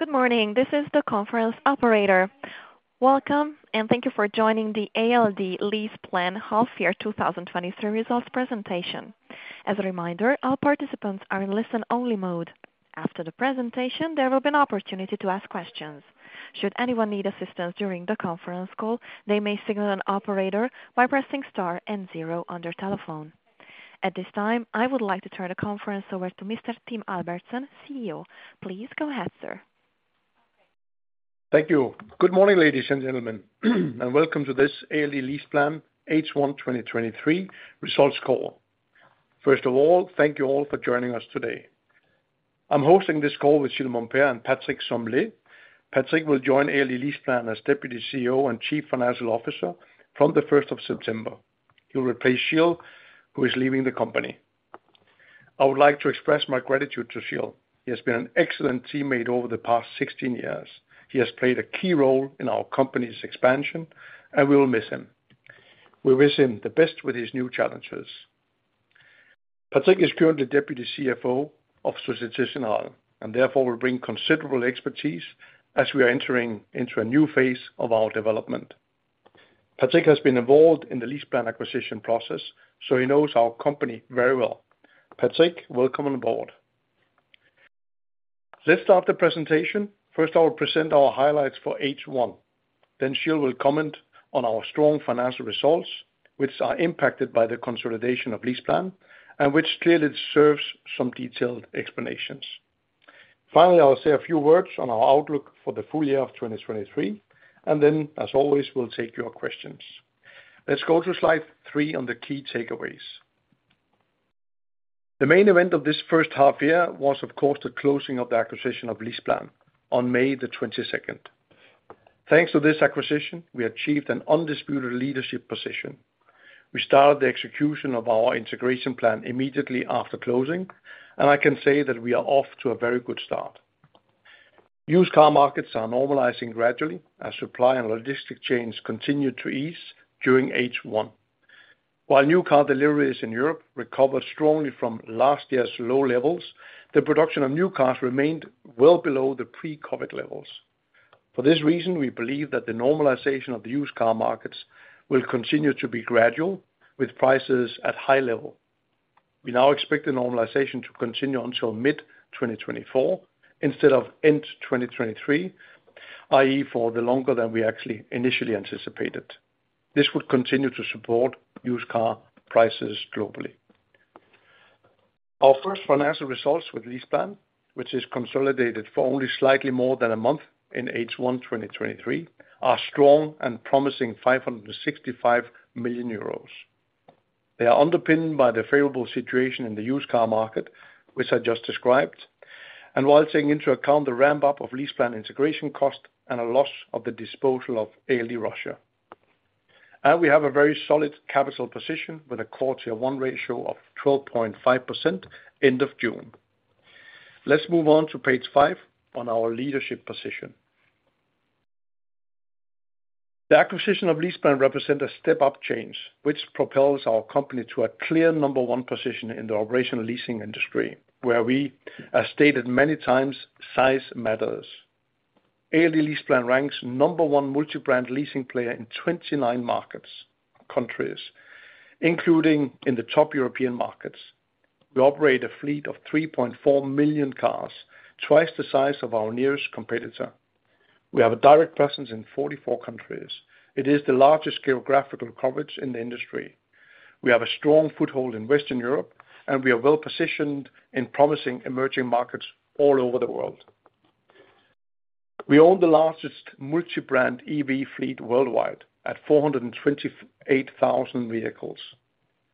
Good morning. This is the conference operator. Welcome, and thank you for joining the ALD LeasePlan Half Year 2023 Results presentation. As a reminder, all participants are in listen-only mode. After the presentation, there will be an opportunity to ask questions. Should anyone need assistance during the conference call, they may signal an operator by pressing star and zero on their telephone. At this time, I would like to turn the conference over to Mr. Tim Albertsen, CEO. Please go ahead, sir. Thank you. Good morning, ladies and gentlemen, welcome to this ALD | LeasePlan H1 2023 results call. First of all, thank you all for joining us today. I'm hosting this call with Gilles Momper and Patrick Sommelet. Patrick will join ALD | LeasePlan as Deputy CEO and Chief Financial Officer from the 1st of September. He'll replace Gilles, who is leaving the company. I would like to express my gratitude to Gilles. He has been an excellent teammate over the past 16 years. He has played a key role in our company's expansion, and we will miss him. We wish him the best with his new challenges. Patrick is currently Deputy CFO of Société Générale, and therefore will bring considerable expertise as we are entering into a new phase of our development. Patrick has been involved in the LeasePlan acquisition process, so he knows our company very well. Patrick, welcome on board. Let's start the presentation. First, I will present our highlights for H1. Gilles will comment on our strong financial results, which are impacted by the consolidation of LeasePlan, and which clearly deserves some detailed explanations. Finally, I will say a few words on our outlook for the full year of 2023. Then, as always, we'll take your questions. Let's go to Slide three on the key takeaways. The main event of this first half year was, of course, the closing of the acquisition of LeasePlan on May the 22nd. Thanks to this acquisition, we achieved an undisputed leadership position. We started the execution of our integration plan immediately after closing. I can say that we are off to a very good start. Used car markets are normalizing gradually as supply and logistic chains continued to ease during H1. While new car deliveries in Europe recovered strongly from last year's low levels, the production of new cars remained well below the pre-COVID levels. For this reason, we believe that the normalization of the used car markets will continue to be gradual, with prices at high level. We now expect the normalization to continue until mid 2024 instead of end 2023, i.e., for the longer than we actually initially anticipated. This would continue to support used car prices globally. Our first financial results with LeasePlan, which is consolidated for only slightly more than a month in H1 2023, are strong and promising 565 million euros. They are underpinned by the favorable situation in the used car market, which I just described, and while taking into account the ramp-up of LeasePlan integration cost and a loss of the disposal of ALD Russia. We have a very solid capital position with a core Tier 1 ratio of 12.5% end of June. Let's move on to Page five on our leadership position. The acquisition of LeasePlan represent a step-up change, which propels our company to a clear number one position in the operational leasing industry, where we, as stated many times, size matters. ALD | LeasePlan ranks number one multi-brand leasing player in 29 markets, countries, including in the top European markets. We operate a fleet of 3.4 million cars, twice the size of our nearest competitor. We have a direct presence in 44 countries. It is the largest geographical coverage in the industry. We have a strong foothold in Western Europe, and we are well-positioned in promising emerging markets all over the world. We own the largest multi-brand EV fleet worldwide at 428,000 vehicles,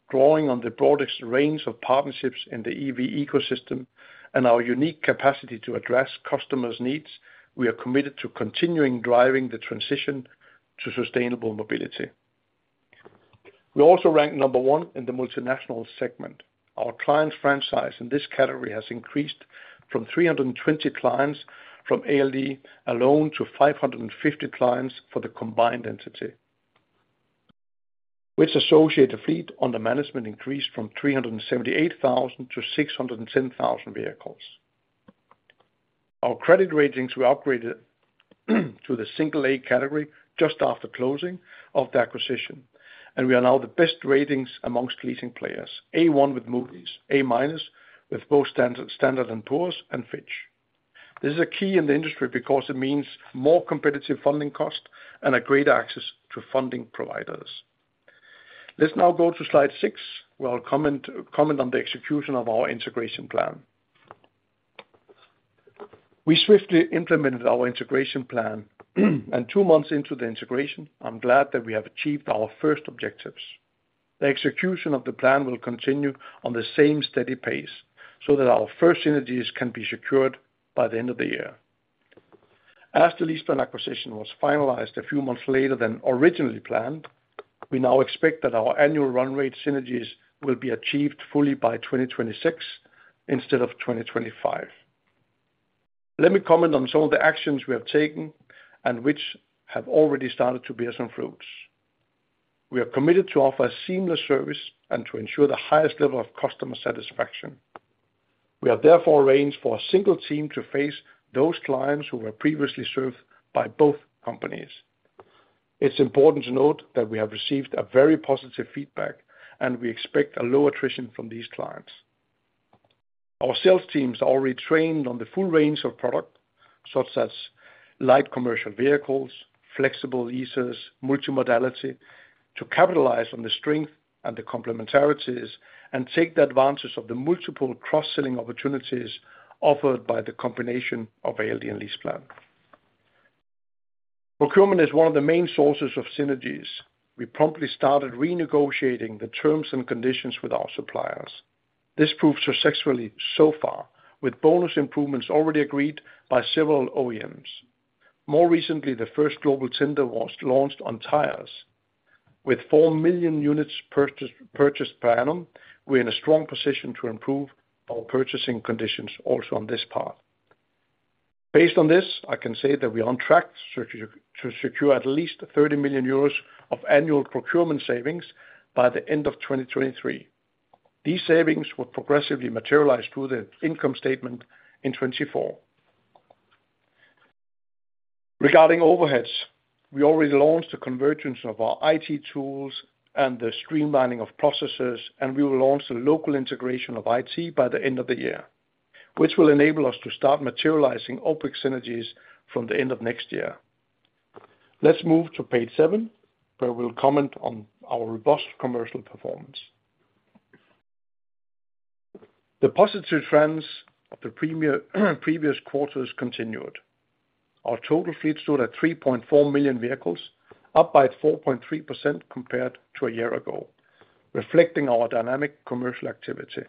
drawing on the broadest range of partnerships in the EV ecosystem and our unique capacity to address customers' needs, we are committed to continuing driving the transition to sustainable mobility. We also rank number one in the multinational segment. Our clients franchise in this category has increased from 320 clients, from ALD alone to 550 clients for the combined entity, which associate the fleet on the management increased from 378,000 to 610,000 vehicles. Our credit ratings were upgraded to the single A category just after closing of the acquisition, and we are now the best ratings amongst leasing players. A1 with Moody's, A- with both Standard and Poor's and Fitch. This is a key in the industry because it means more competitive funding cost and a greater access to funding providers. Let's now go to Slide six. We'll comment on the execution of our integration plan. We swiftly implemented our integration plan. Two months into the integration, I'm glad that we have achieved our first objectives. The execution of the plan will continue on the same steady pace, so that our first synergies can be secured by the end of the year. As the LeasePlan acquisition was finalized a few months later than originally planned, we now expect that our annual run rate synergies will be achieved fully by 2026 instead of 2025. Let me comment on some of the actions we have taken and which have already started to bear some fruits.... We are committed to offer a seamless service and to ensure the highest level of customer satisfaction. We have therefore arranged for a single team to face those clients who were previously served by both companies. It's important to note that we have received a very positive feedback, and we expect a low attrition from these clients. Our sales teams are already trained on the full range of product, such as light commercial vehicles, flexible leases, multimodality, to capitalize on the strength and the complementarities, and take the advantages of the multiple cross-selling opportunities offered by the combination of ALD and LeasePlan. Procurement is one of the main sources of synergies. We promptly started renegotiating the terms and conditions with our suppliers. This proved successfully so far, with bonus improvements already agreed by several OEMs. More recently, the first global tender was launched on tires. With four million units purchased per annum, we're in a strong position to improve our purchasing conditions also on this part. Based on this, I can say that we are on track to secure at least 30 million euros of annual procurement savings by the end of 2023. These savings will progressively materialize through the income statement in 2024. Regarding overheads, we already launched a convergence of our IT tools and the streamlining of processes, and we will launch the local integration of IT by the end of the year, which will enable us to start materializing OpEx synergies from the end of next year. Let's move to Page seven, where we'll comment on our robust commercial performance. The positive trends of the previous quarters continued. Our total fleet stood at 3.4 million vehicles, up by 4.3% compared to a year ago, reflecting our dynamic commercial activity.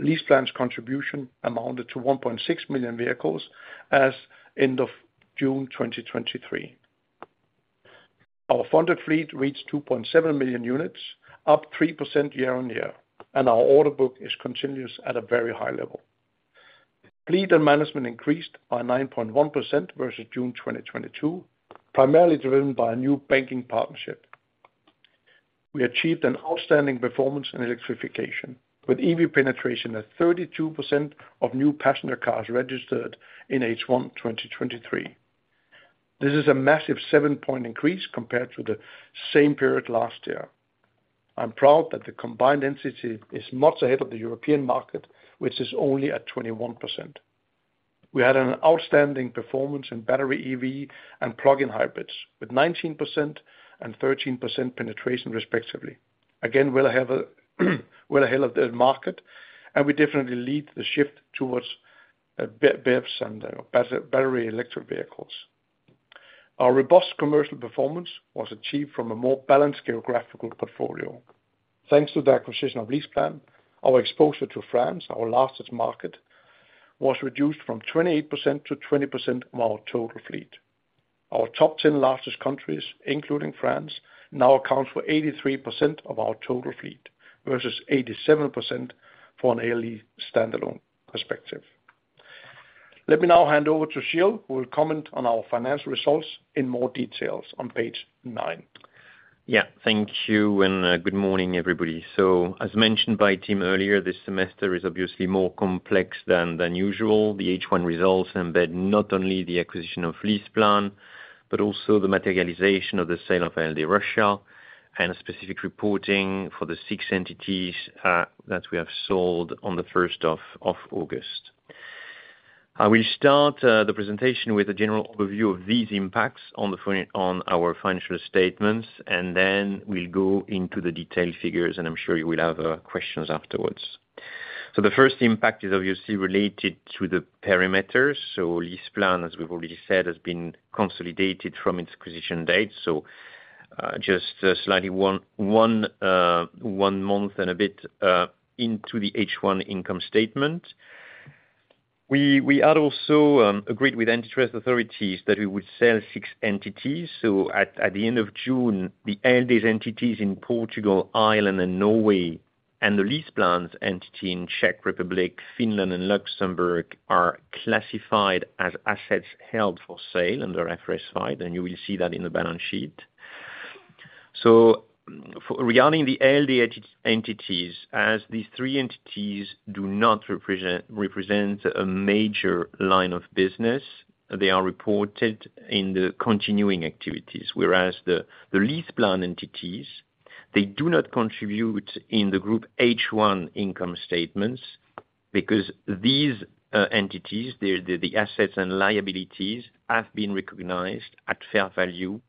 LeasePlan's contribution amounted to 1.6 million vehicles as end of June 2023. Our funded fleet reached 2.7 million units, up 3% year-on-year, and our order book is continuous at a very high level. Fleet and management increased by 9.1% versus June 2022, primarily driven by a new banking partnership. We achieved an outstanding performance in electrification, with EV penetration at 32% of new passenger cars registered in H1, 2023. This is a massive seven-point increase compared to the same period last year. I'm proud that the combined entity is much ahead of the European market, which is only at 21%. We had an outstanding performance in battery EV and plug-in hybrids, with 19% and 13% penetration, respectively. Again, well ahead of the market, and we definitely lead the shift towards BEVs and battery electric vehicles. Our robust commercial performance was achieved from a more balanced geographical portfolio. Thanks to the acquisition of LeasePlan, our exposure to France, our largest market, was reduced from 28%-20% of our total fleet. Our top 10 largest countries, including France, now account for 83% of our total fleet, versus 87% for an ALD standalone perspective. Let me now hand over to Gilles, who will comment on our financial results in more details on Page nine. Thank you, and good morning, everybody. As mentioned by Tim earlier, this semester is obviously more complex than usual. The H1 results embed not only the acquisition of LeasePlan but also the materialization of the sale of ALD Russia and specific reporting for the six entities that we have sold on the first of August. I will start the presentation with a general overview of these impacts on our financial statements, and then we'll go into the detailed figures, and I'm sure you will have questions afterwards. The first impact is obviously related to the parameters. LeasePlan, as we've already said, has been consolidated from its acquisition date, just slightly one month and a bit into the H1 income statement. We had also agreed with antitrust authorities that we would sell six entities. At the end of June, the ALD entities in Portugal, Ireland, and Norway, and the LeasePlan entity in Czech Republic, Finland, and Luxembourg, are classified as assets held for sale under IFRS, and you will see that in the balance sheet. Regarding the ALD entities, as these three entities do not represent a major line of business, they are reported in the continuing activities, whereas the LeasePlan entities, they do not contribute in the Group H1 income statements because these entities, the assets and liabilities, have been recognized at fair value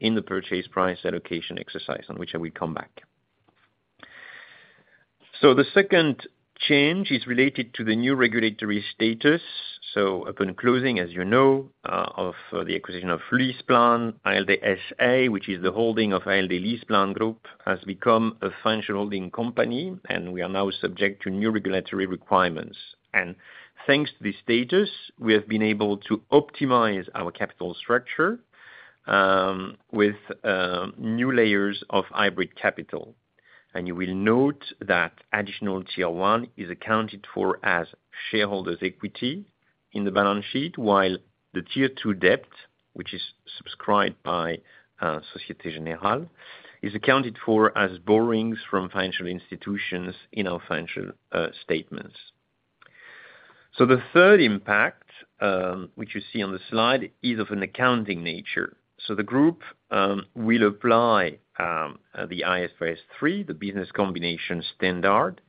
in the purchase price allocation exercise, on which I will come back. The second change is related to the new regulatory status. Upon closing, as you know, of the acquisition of LeasePlan, ALD SA, which is the holding of ALD | LeasePlan Group, has become a financial holding company. We are now subject to new regulatory requirements. Thanks to this status, we have been able to optimize our capital structure with new layers of hybrid capital. You will note that additional Tier 1 is accounted for as shareholders' equity in the balance sheet, while the Tier 2 debt, which is subscribed by Société Générale, is accounted for as borrowings from financial institutions in our financial statements. The third impact, which you see on the slide, is of an accounting nature. The group will apply the IFRS3, the business combination standard,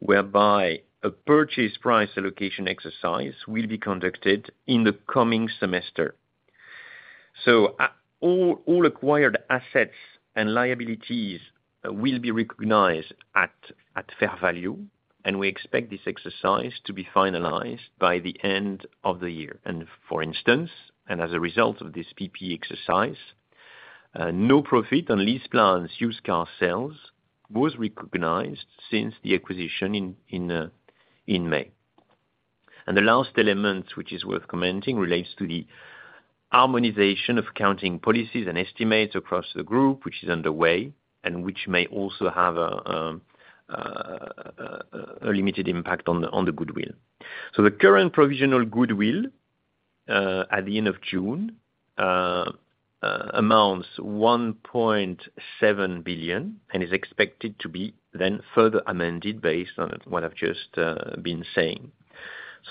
whereby a purchase price allocation exercise will be conducted in the coming semester. All, all acquired assets and liabilities will be recognized at fair value, and we expect this exercise to be finalized by the end of the year. For instance, and as a result of this PP exercise, no profit on LeasePlan's used car sales was recognized since the acquisition in May. The last element, which is worth commenting, relates to the harmonization of accounting policies and estimates across the group, which is underway, and which may also have a limited impact on the goodwill. The current provisional goodwill at the end of June amounts 1.7 billion and is expected to be then further amended based on what I've just been saying.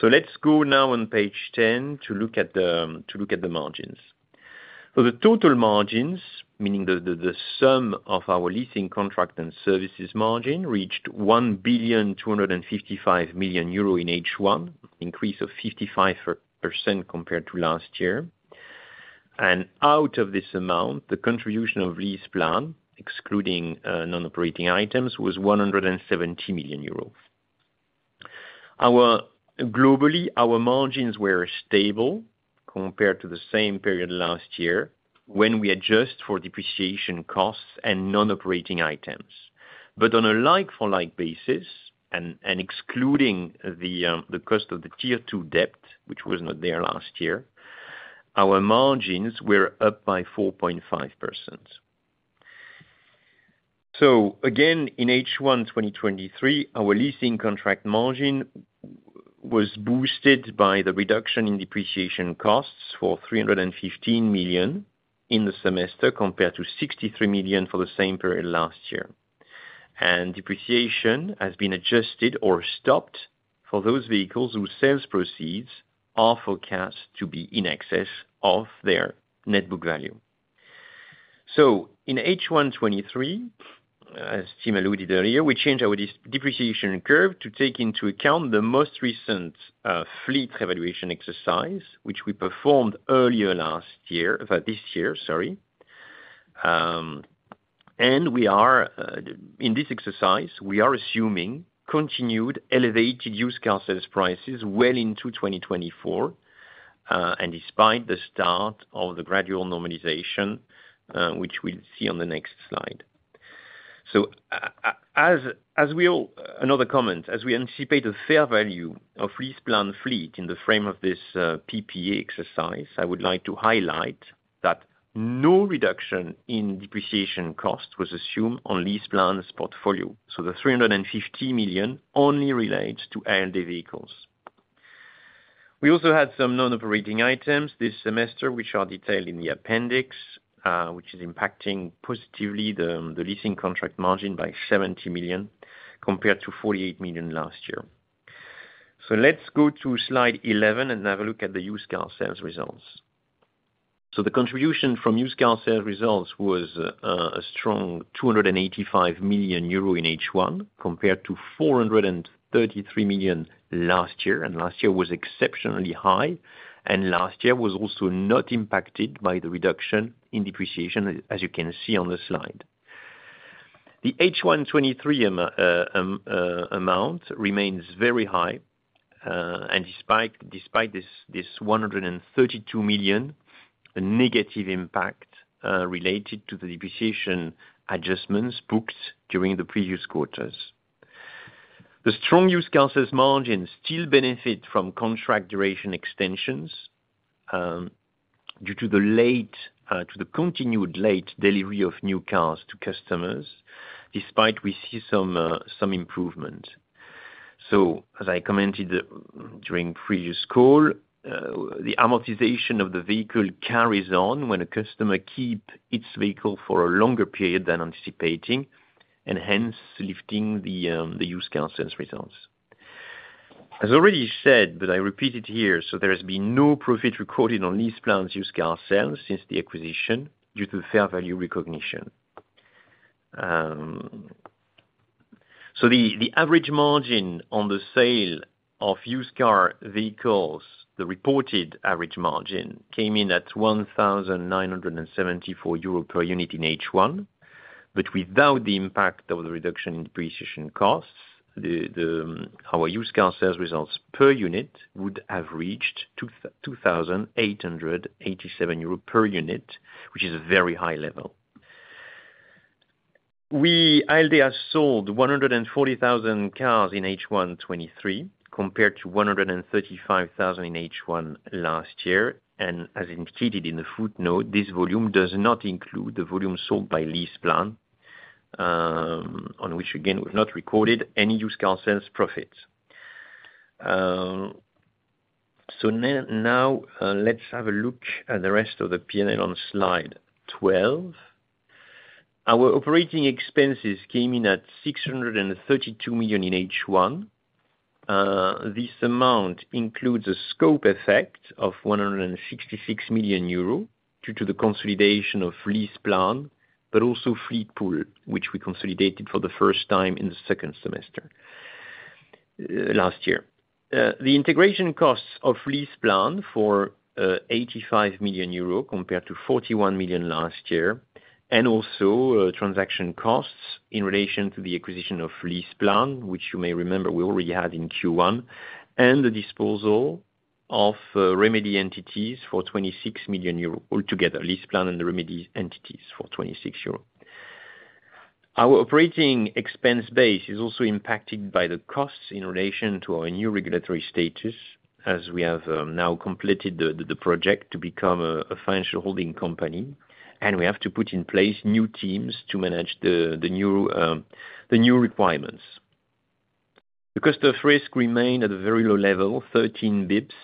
Let's go now on Page 10 to look at the margins. The total margins, meaning the sum of our leasing contract and services margin, reached 1.255 billion euro in H1, increase of 55% compared to last year. Out of this amount, the contribution of LeasePlan, excluding non-operating items, was EUR 170 million. Globally, our margins were stable compared to the same period last year when we adjust for depreciation costs and non-operating items. On a like for like basis, and excluding the cost of the Tier 2 debt, which was not there last year, our margins were up by 4.5%. Again, in H1 2023, our leasing contract margin was boosted by the reduction in depreciation costs for 315 million in the semester, compared to 63 million for the same period last year. Depreciation has been adjusted or stopped for those vehicles whose sales proceeds are forecast to be in excess of their net book value. In H1 2023, as Tim alluded earlier, we changed our depreciation curve to take into account the most recent fleet evaluation exercise, which we performed earlier last year, this year, sorry. We are, in this exercise, assuming continued elevated used car sales prices well into 2024, and despite the start of the gradual normalization, which we'll see on the next slide. As, as we all... Another comment, as we anticipate a fair value of LeasePlan fleet in the frame of this PPA exercise, I would like to highlight that no reduction in depreciation cost was assumed on LeasePlan's portfolio. The 350 million only relates to ALD vehicles. We also had some non-operating items this semester, which are detailed in the appendix, which is impacting positively the leasing contract margin by 70 million, compared to 48 million last year. Let's go to Slide 11 and have a look at the used car sales results. The contribution from used car sales results was a strong 285 million euro in H1, compared to 433 million last year, and last year was exceptionally high, and last year was also not impacted by the reduction in depreciation, as you can see on the slide. The H1 2023 amount remains very high, and despite, despite this, 132 million, a negative impact, related to the depreciation adjustments booked during the previous quarters. The strong used car sales margin still benefit from contract duration extensions, due to the late, to the continued late delivery of new cars to customers, despite we see some, some improvement. As I commented during previous call, the amortization of the vehicle carries on when a customer keep its vehicle for a longer period than anticipating, and hence lifting the used car sales results. As already said, but I repeat it here, there has been no profit recorded on LeasePlan used car sales since the acquisition, due to fair value recognition. The average margin on the sale of used car vehicles, the reported average margin, came in at 1,974 euros per unit in H1, but without the impact of the reduction in depreciation costs, our used car sales results per unit would have reached 2,887 euros per unit, which is a very high level. We, ALD, has sold 140,000 cars in H1 2023, compared to 135,000 in H1 last year, and as indicated in the footnote, this volume does not include the volume sold by LeasePlan, on which again, we've not recorded any used car sales profits. Now, let's have a look at the rest of the P&L on Slide 12. Our operating expenses came in at 632 million in H1. This amount includes a scope effect of 166 million euros, due to the consolidation of LeasePlan, but also Fleetpool, which we consolidated for the first time in the second semester last year. The integration costs of LeasePlan for 85 million euro compared to 41 million last year, and also transaction costs in relation to the acquisition of LeasePlan, which you may remember we already had in Q1, and the disposal of remedy entities for 26 million euro altogether, LeasePlan and the remedy entities for 26 euro. Our operating expense base is also impacted by the costs in relation to our new regulatory status, as we have now completed the project to become a financial holding company, and we have to put in place new teams to manage the new requirements. The cost of risk remained at a very low level, 13 basis points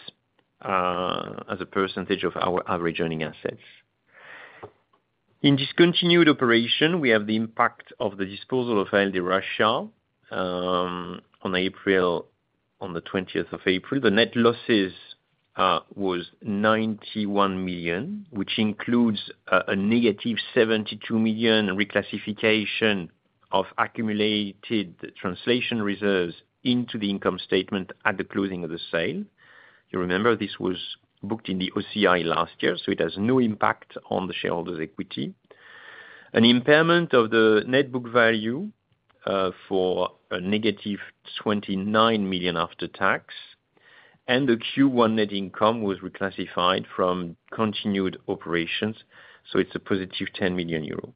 as a percentage of our average earning assets. In discontinued operation, we have the impact of the disposal of ALD Russia, on April, on the 20th of April. The net losses was 91 million, which includes a negative 72 million reclassification of accumulated translation reserves into the income statement at the closing of the sale. You remember, this was booked in the OCI last year, so it has no impact on the shareholders' equity. An impairment of the net book value for a negative 29 million after tax, and the Q1 net income was reclassified from continued operations, so it's a positive 10 million euro.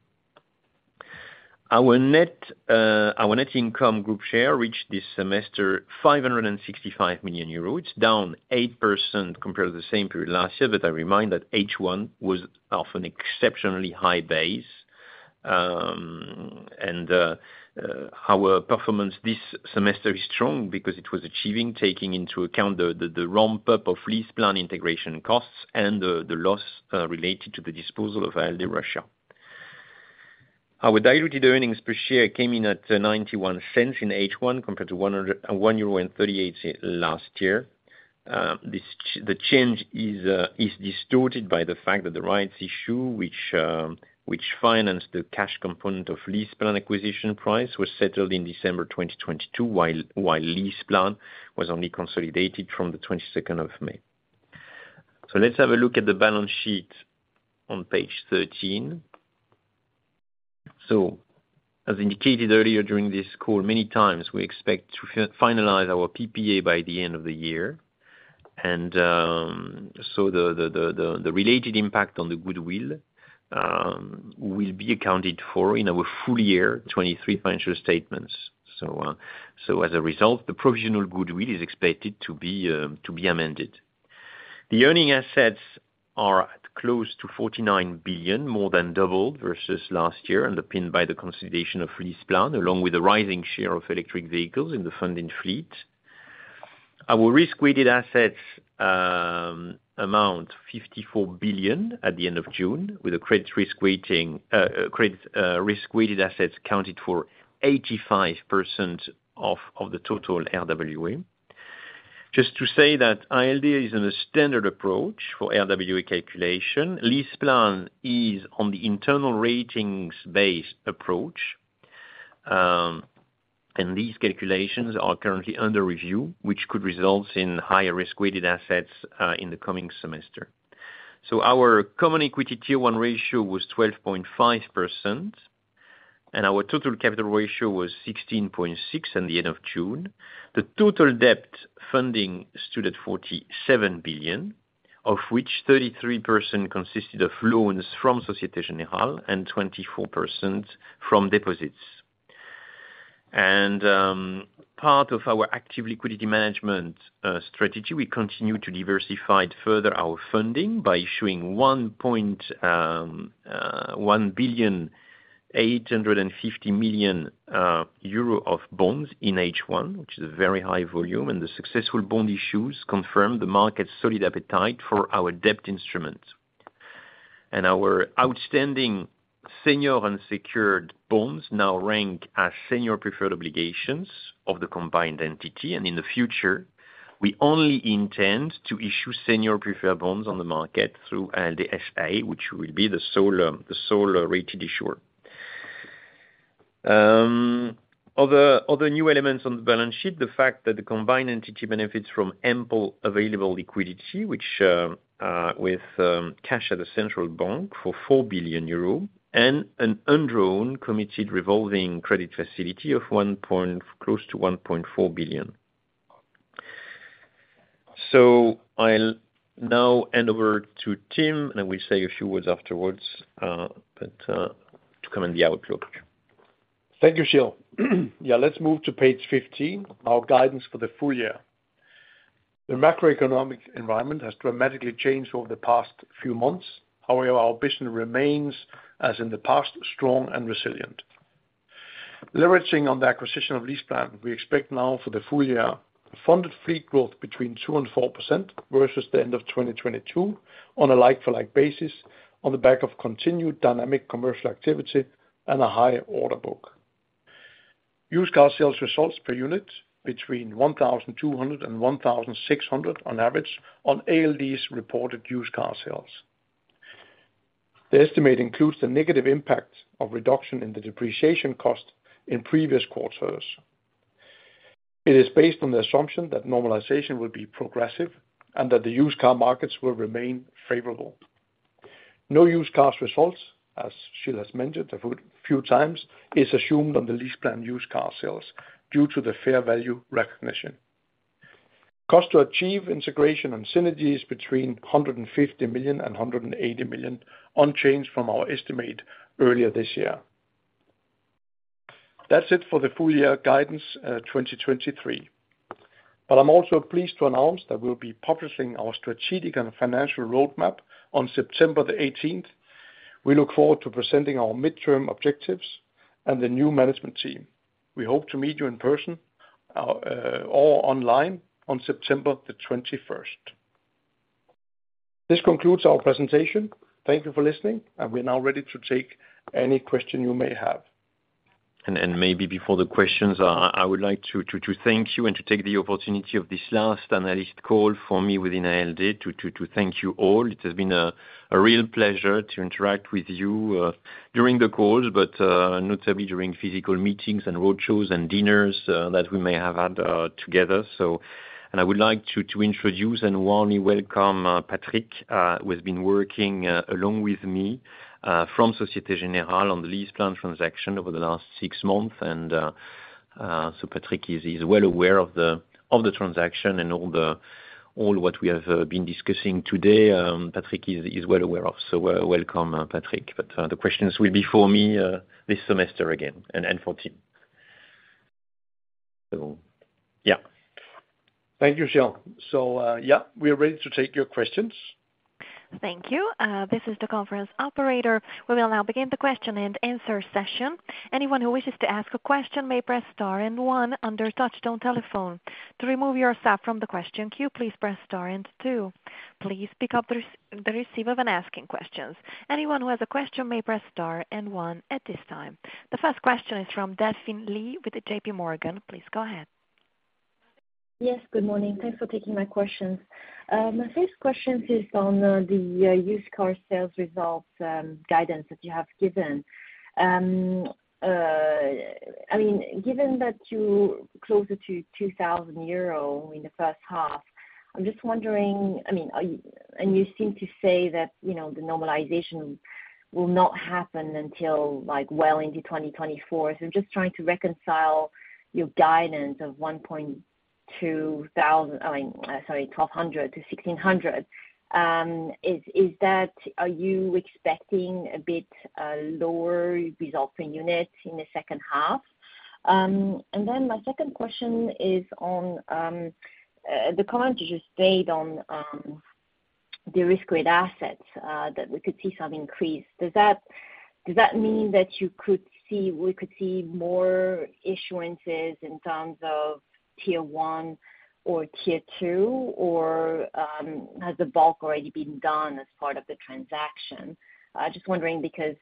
Our net, our net income group share reached this semester, 565 million euros, down 8% compared to the same period last year. I remind that H1 was off an exceptionally high base. Our performance this semester is strong because it was achieving, taking into account the ramp up of LeasePlan integration costs and the loss related to the disposal of ALD Russia. Our diluted earnings per share came in at 0.91 in H1, compared to 1.38 euro last year. This the change is distorted by the fact that the rights issue, which financed the cash component of LeasePlan acquisition price, was settled in December 2022, while LeasePlan was only consolidated from the 22nd of May. Let's have a look at the balance sheet on Page 13. As indicated earlier during this call, many times, we expect to finalize our PPA by the end of the year. So the related impact on the goodwill will be accounted for in our full year 2023 financial statements. So as a result, the provisional goodwill is expected to be to be amended. The earning assets are close to 49 billion, more than double versus last year, and underpinned by the consolidation of LeasePlan, along with the rising share of electric vehicles in the funding fleet. Our risk-weighted assets amount 54 billion at the end of June, with a credit risk weighting, credit risk weighted assets accounted for 85% of the total RWA. Just to say that ALD is in a standard approach for RWA calculation. LeasePlan is on the internal ratings-based approach. These calculations are currently under review, which could result in higher risk-weighted assets in the coming semester. Our common equity Tier 1 ratio was 12.5%, and our total capital ratio was 16.6% at the end of June. The total debt funding stood at 47 billion, of which 33% consisted of loans from Société Générale and 24% from deposits. Part of our active liquidity management strategy, we continue to diversify further our funding by issuing 1.85 billion of bonds in H1, which is a very high volume. The successful bond issues confirm the market's solid appetite for our debt instruments. Our outstanding senior unsecured bonds now rank as senior preferred obligations of the combined entity. In the future, we only intend to issue senior preferred bonds on the market through ALD FA, which will be the solar-rated issuer. Other, other new elements on the balance sheet, the fact that the combined entity benefits from ample available liquidity, which, with, cash at the central bank for 4 billion euro and an undrawn committed revolving credit facility of one point... Close to 1.4 billion. I'll now hand over to Tim, and I will say a few words afterwards, to comment the outlook. Thank you, Gilles. Yeah, let's move to Page 15, our guidance for the full year. The macroeconomic environment has dramatically changed over the past few months. However, our vision remains, as in the past, strong and resilient. Leveraging on the acquisition of LeasePlan, we expect now for the full year, funded fleet growth between 2%-4% versus the end of 2022 on a like-for-like basis, on the back of continued dynamic commercial activity and a high order book. Used car sales results per unit between 1,200-1,600 on average on ALD's reported used car sales. The estimate includes the negative impact of reduction in the depreciation cost in previous quarters. It is based on the assumption that normalization will be progressive and that the used car markets will remain favorable. No used cars results, as Gilles has mentioned a few, few times, is assumed on the LeasePlan used car sales due to the fair value recognition. Cost to achieve integration and synergies between 150 million and 180 million, unchanged from our estimate earlier this year. That's it for the full year guidance, 2023. I'm also pleased to announce that we'll be publishing our strategic and financial roadmap on September 18th. We look forward to presenting our midterm objectives and the new management team. We hope to meet you in person or online on September 21st. This concludes our presentation. Thank you for listening, and we're now ready to take any question you may have. Maybe before the questions, I, I would like to, to, to thank you and to take the opportunity of this last analyst call for me within ALD to, to, to thank you all. It has been a, a real pleasure to interact with you during the calls, but notably during physical meetings and road shows and dinners that we may have had together. I would like to, to introduce and warmly welcome Patrick, who has been working along with me from Société Générale on the LeasePlan transaction over the last six months. Patrick is well aware of the transaction and all what we have been discussing today, Patrick is well aware of. Welcome Patrick. The questions will be for me, this semester again, and, and for Tim. Yeah. Thank you, Gilles. Yeah, we are ready to take your questions. Thank you. This is the conference operator. We will now begin the question and answer session. Anyone who wishes to ask a question may press star and one on their touchtone telephone. To remove yourself from the question queue, please press star and two. Please pick up the receiver when asking questions. Anyone who has a question may press star and one at this time. The first question is from Delphine Lee with JPMorgan. Please go ahead. Yes, good morning. Thanks for taking my questions. My first question is on the used car sales results guidance that you have given. I mean, given that you closer to 2,000 euro in the first half, I'm just wondering, I mean, are you and you seem to say that, you know, the normalization will not happen until, like, well into 2024. So just trying to reconcile your guidance of 1,200, I mean, sorry, 1,200-1,600. Is that, are you expecting a bit lower result per unit in the second half? My second question is on the comments you just made on the risk-weight assets that we could see some increase. Does that, does that mean that you could see - we could see more issuances in terms of Tier 1 or Tier 2, or has the bulk already been done as part of the transaction? Just wondering, because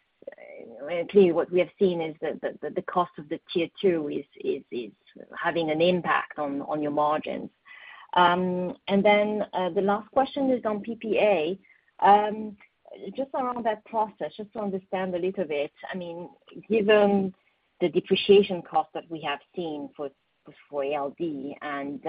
clearly what we have seen is that, the, the cost of the Tier 2 is, is, is having an impact on, on your margins. Then the last question is on PPA. Just around that process, just to understand a little bit, I mean, given the depreciation cost that we have seen for, for ALD and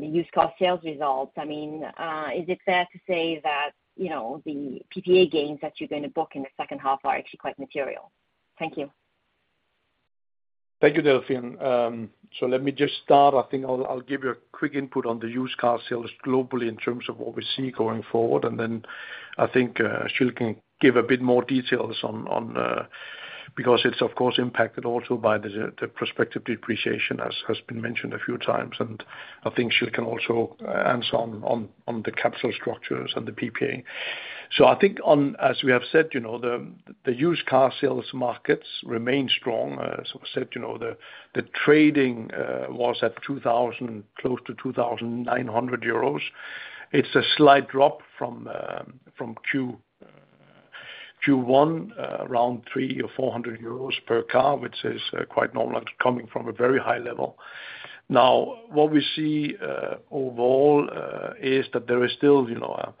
the used car sales results, I mean, is it fair to say that, you know, the PPA gains that you're going to book in the second half are actually quite material? Thank you. Thank you, Delphine. Let me just start. I think I'll, I'll give you a quick input on the used car sales globally in terms of what we see going forward. Then I think, Gilles can give a bit more details on, on, because it's of course impacted also by the, the prospective depreciation, as has been mentioned a few times. I think Gilles can also answer on, on, on the capital structures and the PPA. I think on, as we have said, you know, the, the used car sales markets remain strong. As we said, you know, the, the trading, was at 2,900 euros. It's a slight drop from, from Q1, around 300-400 euros per car, which is quite normal coming from a very high level. Now, what we see, overall, is that there is still, you know,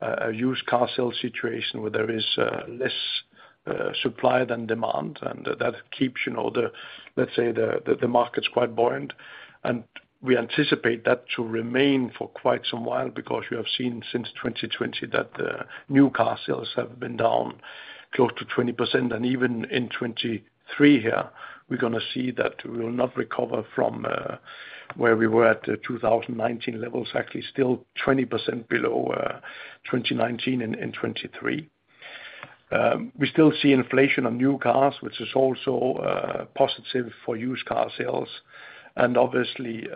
a used car sales situation where there is less supply than demand. That keeps, you know, the, let's say, the market's quite buoyant. We anticipate that to remain for quite some while, because you have seen since 2020, that the new car sales have been down close to 20%. Even in 2023 here, we're going to see that we will not recover from where we were at the 2019 levels, actually still 20% below 2019 and 2023. We still see inflation on new cars, which is also positive for used car sales. Obviously.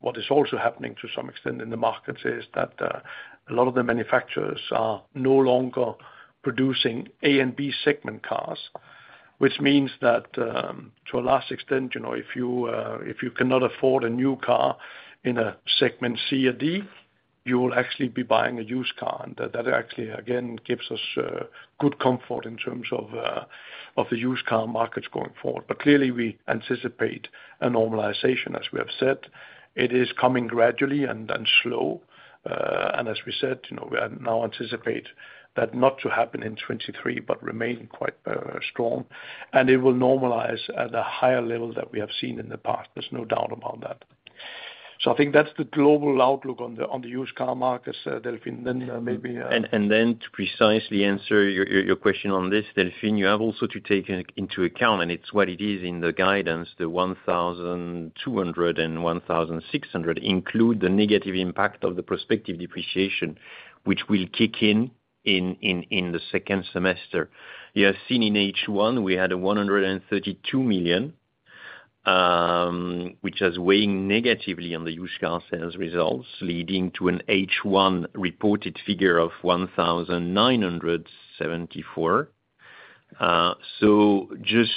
what is also happening to some extent in the markets is that, a lot of the manufacturers are no longer producing A and B segment cars, which means that, to a large extent, you know, if you, if you cannot afford a new car in a segment C or D, you will actually be buying a used car. That, that actually, again, gives us good comfort in terms of, of the used car markets going forward. Clearly, we anticipate a normalization, as we have said, it is coming gradually and then slow. And as we said, you know, we are now anticipate that not to happen in 2023, but remain quite strong, and it will normalize at a higher level that we have seen in the past. There's no doubt about that. I think that's the global outlook on the, on the used car markets, Delphine, then. To precisely answer your question on this, Delphine, you have also to take into account, and it's what it is in the guidance, the 1,200-1,600 include the negative impact of the prospective depreciation, which will kick in in the second semester. You have seen in H1, we had 132 million, which is weighing negatively on the used car sales results, leading to an H1 reported figure of 1,974. Just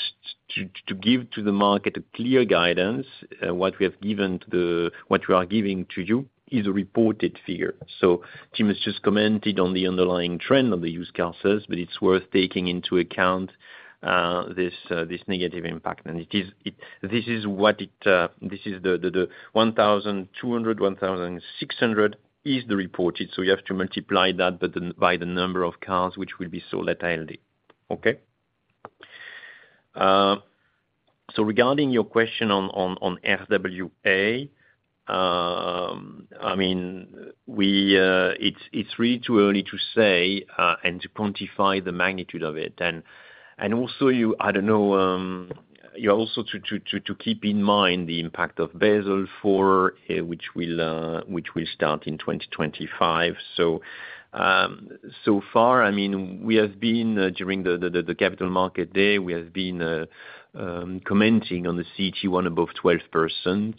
to give to the market a clear guidance, what we have given to you is a reported figure. Tim has just commented on the underlying trend of the used car sales, but it's worth taking into account this negative impact. It is, it, this is what it, this is the, the, the 1,200, 1,600 is the reported, so you have to multiply that by the, by the number of cars which will be sold at ALD. Okay? Regarding your question on, on, on RWA, I mean, we, it's, it's really too early to say and to quantify the magnitude of it. And, and also you, I don't know, you also to keep in mind the impact of Basel IV, which will, which will start in 2025. So far, I mean, we have been, during the, the, the Capital Market Day, we have been, commenting on the CET1 above 12%.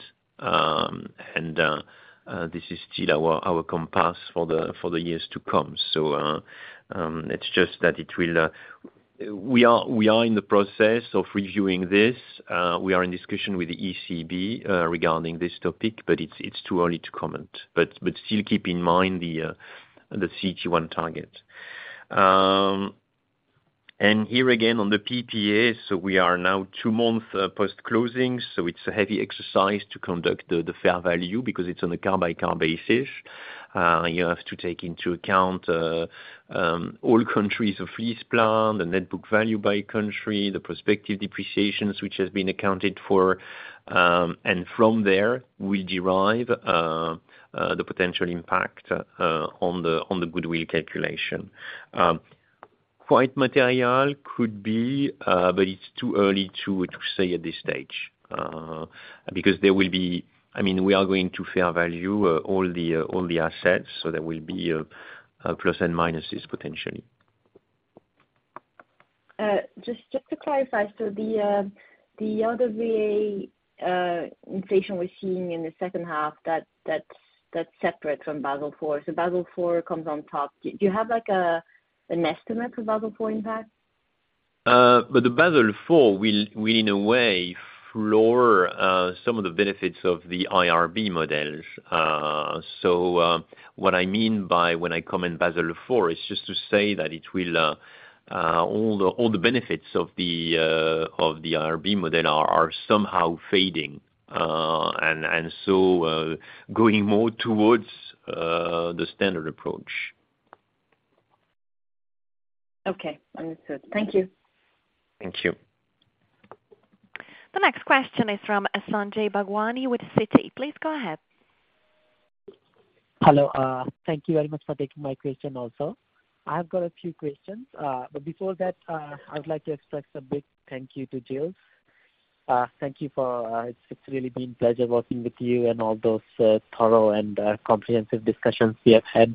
This is still our compass for the years to come. It's just that it will. We are in the process of reviewing this. We are in discussion with the ECB regarding this topic, but it's too early to comment. But still keep in mind the CET1 target. And here again on the PPA, we are now two months post-closing, so it's a heavy exercise to conduct the fair value because it's on a car-by-car basis. You have to take into account all countries of LeasePlan, the net book value by country, the prospective depreciations, which has been accounted for, and from there, we derive the potential impact on the goodwill calculation. quite material could be, but it's too early to say at this stage, because there will be. I mean, we are going to fair value all the assets, so there will be plus and minuses potentially. Just, just to clarify, so the, the RWA, inflation we're seeing in the second half, that, that's, that's separate from Basel IV. Basel IV comes on top. Do, do you have like a, an estimate for Basel IV impact? The Basel IV will, will in a way floor, some of the benefits of the IRB model. What I mean by when I comment Basel IV, is just to say that it will, all the, all the benefits of the, of the IRB model are, are somehow fading, and, and so, going more towards, the standard approach. Okay. Understood. Thank you. Thank you. The next question is from Sanjay Bhagwani with Citi. Please go ahead. Hello, thank you very much for taking my question also. I've got a few questions, but before that, I would like to express a big thank you to Gilles. Thank you for, it's, it's really been a pleasure working with you and all those thorough and comprehensive discussions we have had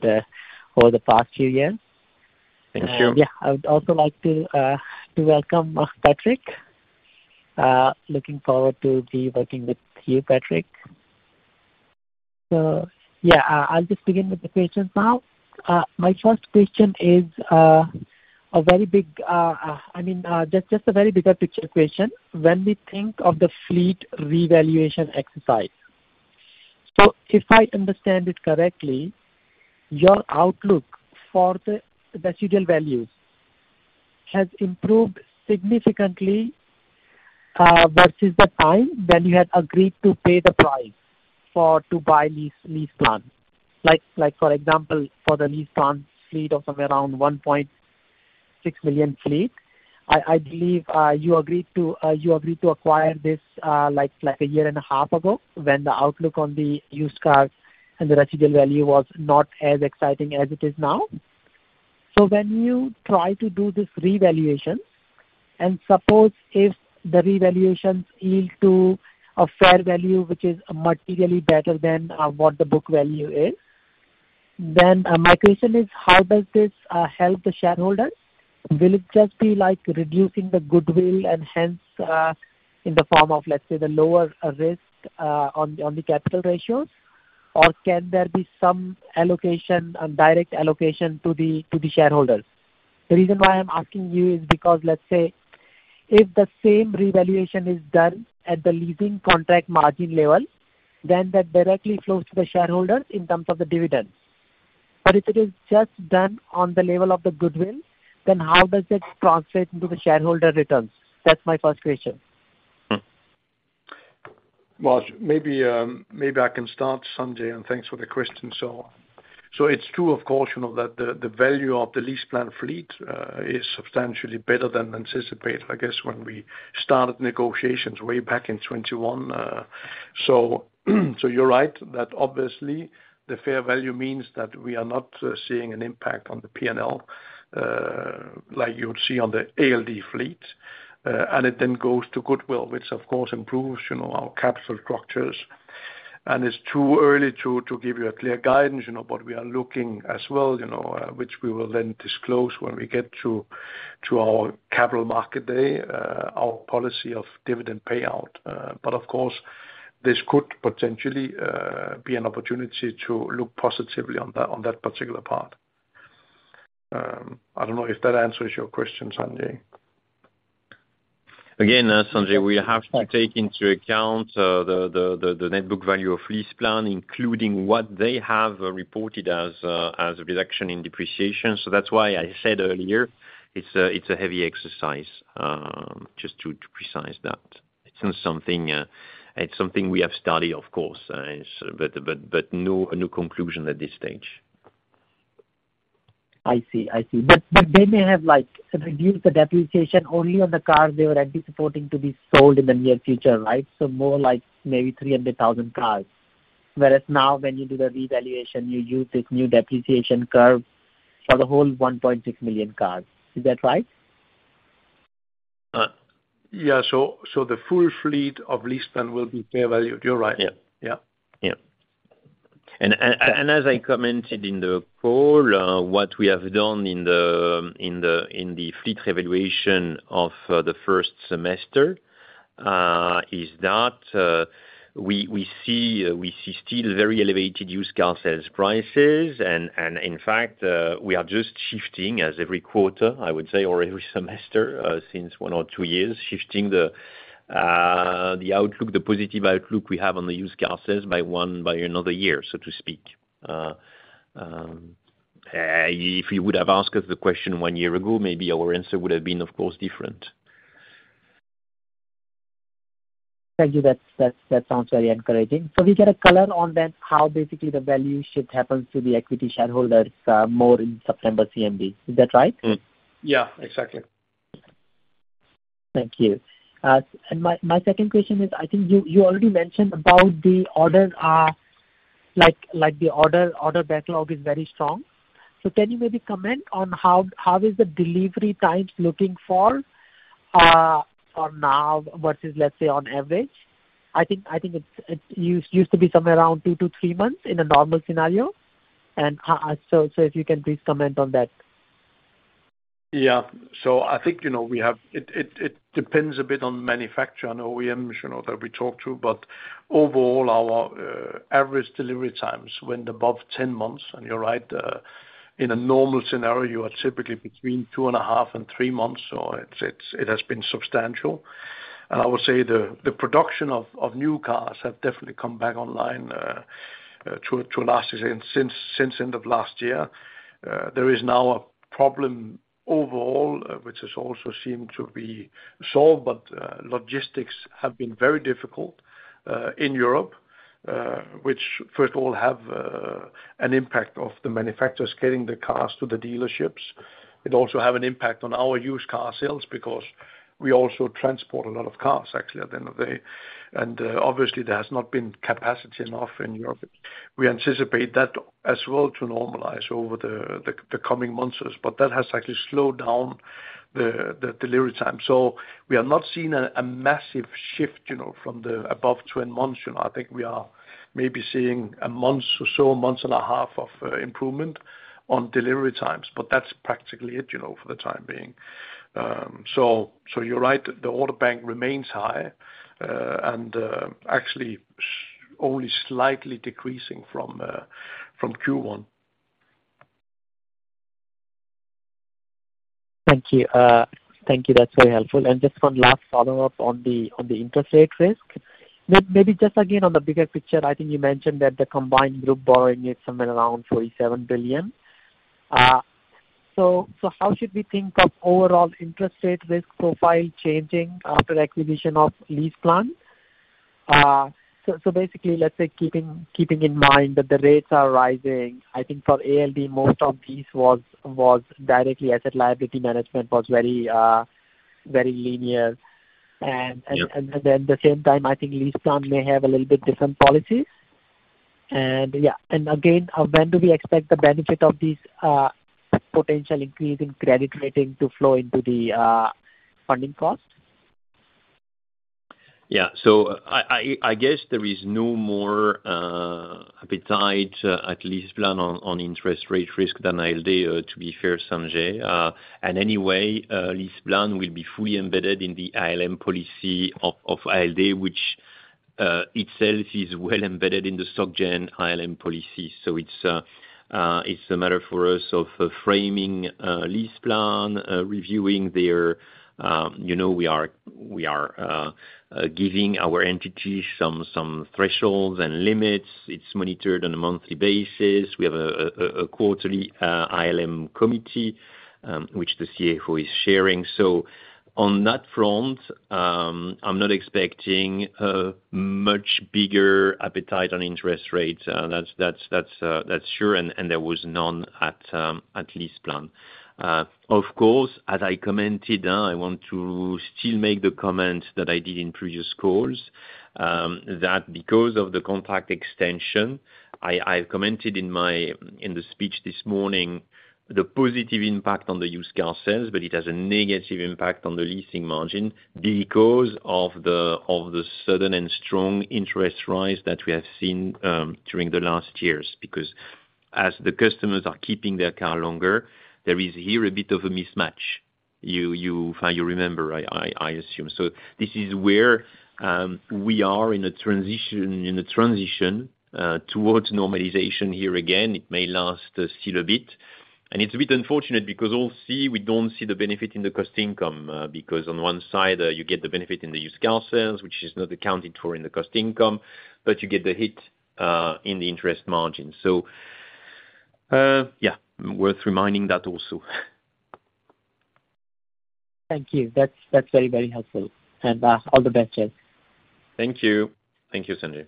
over the past few years. Thank you. Yeah, I would also like to welcome Patrick. Looking forward to be working with you, Patrick. Yeah, I'll just begin with the questions now. My first question is a very big, I mean, just a very bigger picture question. When we think of the fleet revaluation exercise, so if I understand it correctly, your outlook for the residual values has improved significantly versus the time when you had agreed to pay the price for, to buy LeasePlan. Like, like, for example, for the LeasePlan fleet of somewhere around 1.6 million fleet, I, I believe, you agreed to acquire this, like, like a year and a half ago, when the outlook on the used cars and the residual value was not as exciting as it is now. When you try to do this revaluation, and suppose if the revaluations yield to a fair value, which is materially better than what the book value is. My question is, how does this help the shareholder? Will it just be like reducing the goodwill and hence, in the form of, let's say, the lower risk, on the, on the capital ratios? Or can there be some allocation, a direct allocation to the, to the shareholders? The reason why I'm asking you is because, let's say, if the same revaluation is done at the leasing contract margin level, then that directly flows to the shareholders in terms of the dividends. If it is just done on the level of the goodwill, then how does it translate into the shareholder returns? That's my first question. Well, maybe, maybe I can start, Sanjay, and thanks for the question. It's true, of course, you know, that the, the value of the LeasePlan fleet is substantially better than anticipated, I guess, when we started negotiations way back in 2021. You're right, that obviously the fair value means that we are not seeing an impact on the P&L, like you would see on the ALD fleet. It then goes to goodwill, which of course improves, you know, our capital structures. It's too early to, to give you a clear guidance, you know, but we are looking as well, you know, which we will then disclose when we get to, to our capital market day, our policy of dividend payout. Of course, this could potentially be an opportunity to look positively on that, on that particular part. I don't know if that answers your question, Sanjay. Again, Sanjay, we have to take into account the net book value of LeasePlan, including what they have reported as a reduction in depreciation. That's why I said earlier, it's a heavy exercise, just to precise that. It's not something. It's something we have studied, of course, but no conclusion at this stage. I see. I see. They may have, like, reduced the depreciation only on the cars they were already supporting to be sold in the near future, right? More like maybe 300,000 cars. Whereas now, when you do the revaluation, you use this new depreciation curve for the whole 1.6 million cars. Is that right? Yeah. So the full fleet of LeasePlan will be fair valued. You're right. Yeah. Yeah. Yeah. As I commented in the call, what we have done in the, in the, in the fleet evaluation of the first semester, is that we, we see, we see still very elevated used car sales prices. In fact, we are just shifting as every quarter, I would say, or every semester, since one or two years, shifting the outlook, the positive outlook we have on the used car sales by one by another year, so to speak. If you would have asked us the question one year ago, maybe our answer would have been, of course, different. Thank you. That, that, that sounds very encouraging. We get a color on then, how basically the value shift happens to the equity shareholders, more in September CMD. Is that right? Hmm. Yeah, exactly. Thank you. My second question is, I think you already mentioned about the order, like the order backlog is very strong. Can you maybe comment on how is the delivery times looking for now versus, let's say, on average? I think it's used to be somewhere around two to three months in a normal scenario. If you can please comment on that. Yeah. I think, you know, we have... It, it, it depends a bit on manufacturer and OEMs, you know, that we talk to. Overall, our average delivery times went above 10 months. You're right, in a normal scenario, you are typically between 2.5 and three months, so it's, it's, it has been substantial. I would say the production of new cars have definitely come back online to last year, since end of last year. There is now a problem overall, which is also seem to be solved, but logistics have been very difficult in Europe, which first of all, have an impact of the manufacturers getting the cars to the dealerships. It also have an impact on our used car sales, because we also transport a lot of cars, actually, at the end of the day. Obviously, there has not been capacity enough in Europe. We anticipate that as well to normalize over the, the, the coming months, but that has actually slowed down the, the delivery time. We have not seen a, a massive shift, you know, from the above 10 months, you know. I think we are maybe seeing one month or so, 1.5 months of improvement on delivery times, but that's practically it, you know, for the time being. You're right, the order bank remains high, actually only slightly decreasing from Q1. Thank you. Thank you. That's very helpful. Just one last follow-up on the, on the interest rate risk. Maybe just again, on the bigger picture, I think you mentioned that the combined group borrowing is somewhere around 47 billion. So how should we think of overall interest rate risk profile changing after acquisition of LeasePlan? So basically, let's say keeping, keeping in mind that the rates are rising, I think for ALD, most of this was, was directly asset liability management was very, very linear. Yeah. The same time, I think LeasePlan may have a little bit different policies. Yeah, and again, when do we expect the benefit of these, potential increase in credit rating to flow into the funding cost? Yeah, so I, I, I guess there is no more appetite, at least plan on, on interest rate risk than ALD, to be fair, Sanjay. Anyway, LeasePlan will be fully embedded in the ILM policy of, of ALD which itself is well embedded in the Soc Gen ILM policy. It's, it's a matter for us of framing LeasePlan, reviewing their, you know, we are, we are, giving our entity some, some thresholds and limits. It's monitored on a monthly basis. We have a, a, a, quarterly ILM committee, which the CFO is sharing. On that front, I'm not expecting much bigger appetite on interest rates. That's, that's, that's, that's sure. There was none at LeasePlan. Of course, as I commented, I want to still make the comment that I did in previous calls, that because of the contract extension, I, I've commented in my in the speech this morning, the positive impact on the used car sales, but it has a negative impact on the leasing margin because of the sudden and strong interest rise that we have seen during the last years. As the customers are keeping their car longer, there is here a bit of a mismatch. You, you, you remember, I, I, I assume. This is where we are in a transition, in a transition towards normalization here again. It may last still a bit, and it's a bit unfortunate because we'll see, we don't see the benefit in the cost income. Because on one side, you get the benefit in the used car sales, which is not accounted for in the cost income, but you get the hit, in the interest margin. Yeah, worth reminding that also. Thank you. That's very, very helpful. All the best, Gilles. Thank you. Thank you, Sanjay.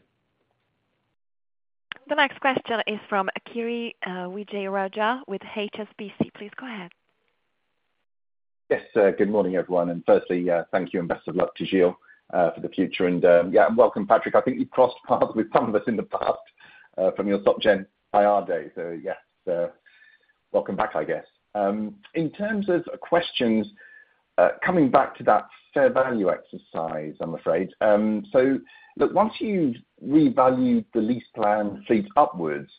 The next question is from Akira Wijaya with HSBC. Please go ahead. Yes, sir. Good morning, everyone. Firstly, thank you, and best of luck to Gilles for the future. Yeah, welcome, Patrick. I think you've crossed paths with some of us in the past, from your Soc Gen IR days. Yeah. Welcome back, I guess. In terms of questions, coming back to that fair value exercise, I'm afraid. Look, once you've revalued the LeasePlan fleet upwards,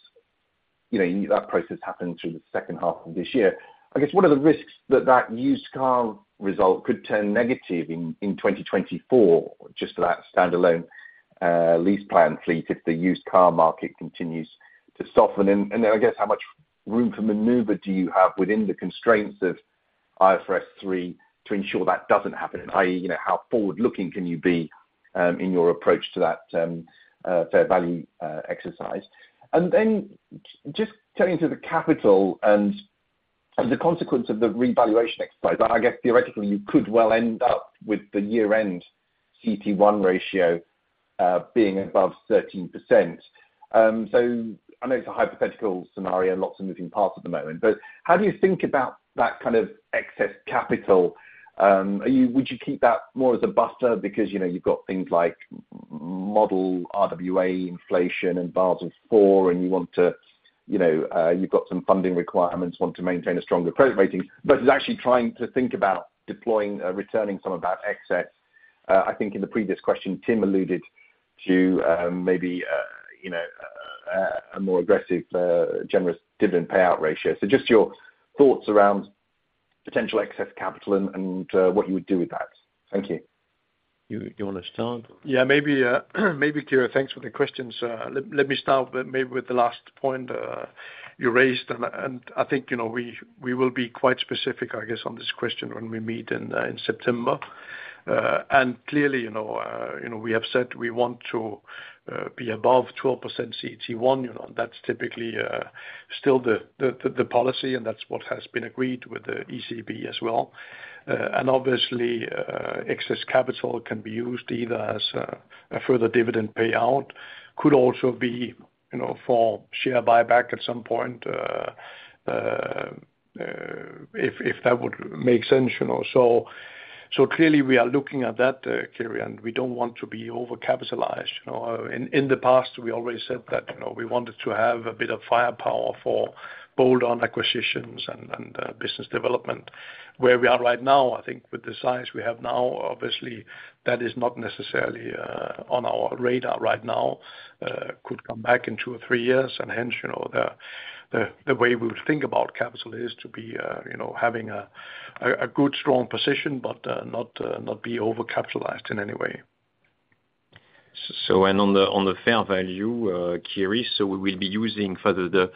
you know, that process happened through the second half of this year. I guess, what are the risks that that used car result could turn negative in 2024, just for that standalone, LeasePlan fleet, if the used car market continues to soften? Then I guess, how much room for maneuver do you have within the constraints of IFRS 3 to ensure that doesn't happen, i.e., you know, how forward looking can you be in your approach to that fair value exercise? Then just turning to the capital and the consequence of the revaluation exercise, I guess theoretically you could well end up with the year-end CET1 ratio being above 13%. So I know it's a hypothetical scenario, lots of moving parts at the moment, but how do you think about that kind of excess capital? Would you keep that more as a buffer because, you know, you've got things like model RWA, inflation, and Basel IV, and you want to, you know, you've got some funding requirements, want to maintain a stronger credit rating, but is actually trying to think about deploying, returning some of that excess? I think in the previous question, Tim alluded to, maybe, you know, a more aggressive, generous dividend payout ratio. Just your thoughts around potential excess capital and, and, what you would do with that? Thank you. You, you want to start? Yeah, maybe, maybe Akira, thanks for the questions. Let me start with, maybe with the last point you raised, and I think, you know, we will be quite specific, I guess, on this question when we meet in September. Clearly, you know, you know, we have said we want to be above 12% CET1, you know, that's typically still the policy, and that's what has been agreed with the ECB as well. Obviously, excess capital can be used either as a further dividend payout, could also be, you know, for share buyback at some point, if that would make sense, you know. Clearly we are looking at that, Akira, and we don't want to be over-capitalized, you know. In, in the past, we already said that, you know, we wanted to have a bit of firepower for bolt-on acquisitions and, and, business development. Where we are right now, I think with the size we have now, obviously that is not necessarily, on our radar right now. Could come back in two or three years, and hence, you know, the, the, the way we think about capital is to be, you know, having a, a, a good, strong position, but, not, not be over-capitalized in any way. On the, on the fair value, Akira, we will be using further the.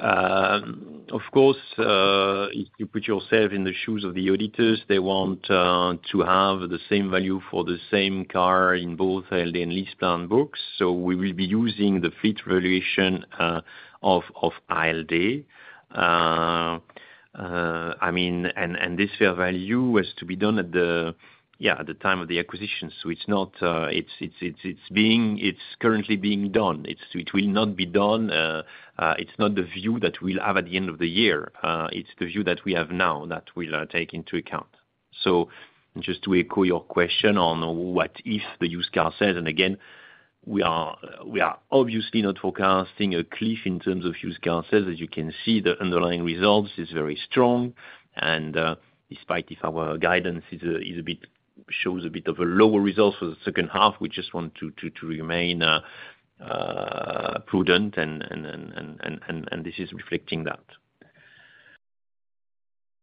Of course, if you put yourself in the shoes of the auditors, they want to have the same value for the same car in both ALD and LeasePlan books, so we will be using the fleet valuation of ALD. I mean, and this fair value was to be done at the time of the acquisition. It's not, it's currently being done. It will not be done, it's not the view that we'll have at the end of the year. It's the view that we have now that we'll take into account. Just to echo your question on what if the used car sales. we are, we are obviously not forecasting a cliff in terms of used cars sales. As you can see, the underlying results is very strong, and, despite if our guidance is a, is a bit, shows a bit of a lower result for the second half, we just want to, to, to remain, prudent and this is reflecting that.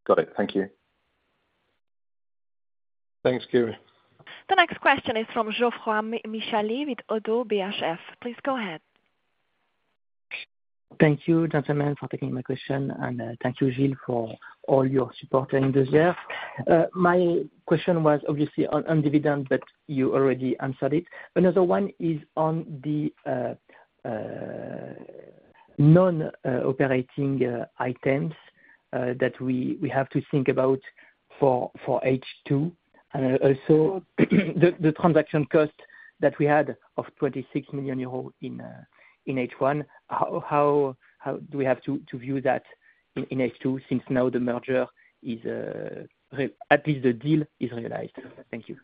Got it. Thank you. Thanks, Akira. The next question is from Geoffroy Michalet with Oddo BHF. Please go ahead. Thank you, gentlemen, for taking my question, and thank you, Gilles, for all your support in this year. My question was obviously on, on dividend, but you already answered it. Another one is on the non-operating items that we have to think about for H2. Also, the transaction cost that we had of 26 million euros in H1, how do we have to view that in H2, since now the merger is at least the deal is realized? Thank you.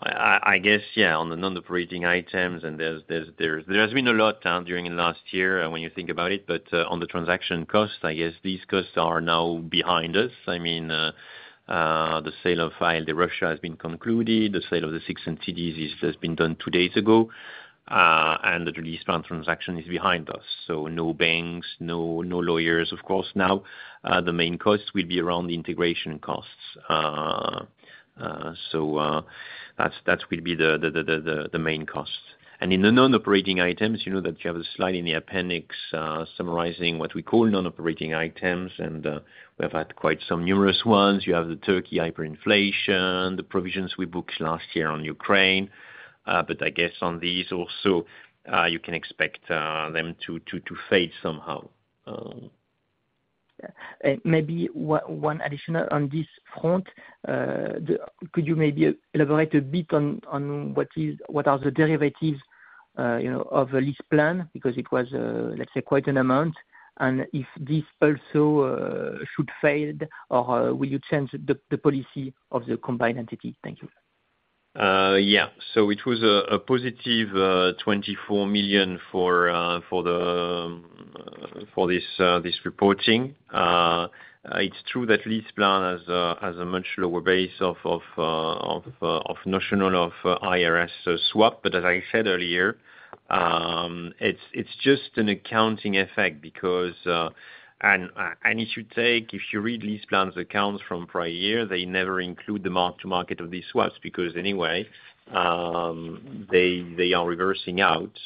I guess, yeah, on the non-operating items, and there's been a lot done during the last year, when you think about it, but on the transaction costs, I guess these costs are now behind us. I mean, the sale of ALD Russia has been concluded, the sale of the six entities has been done two days ago, and the LeasePlan transaction is behind us. No banks, no, no lawyers, of course, now. The main costs will be around the integration costs. That will be the main costs. In the non-operating items, you know that you have a slide in the appendix, summarizing what we call non-operating items, and we've had quite some numerous ones. You have the Turkey hyperinflation, the provisions we booked last year on Ukraine, I guess on these also, you can expect them to, to, to fade somehow. Maybe one, one additional on this front. Could you maybe elaborate a bit on, on what are the derivatives, you know, of the LeasePlan? Because it was, let's say, quite an amount. If this also, should fade, or, will you change the, the policy of the combined entity? Thank you. Yeah. It was a positive 24 million for this reporting. It's true that LeasePlan has a much lower base of notional of IRS swap. As I said earlier, it's just an accounting effect because. It should take, if you read LeasePlan's accounts from prior year, they never include the mark to market of these swaps, because anyway, they are reversing out.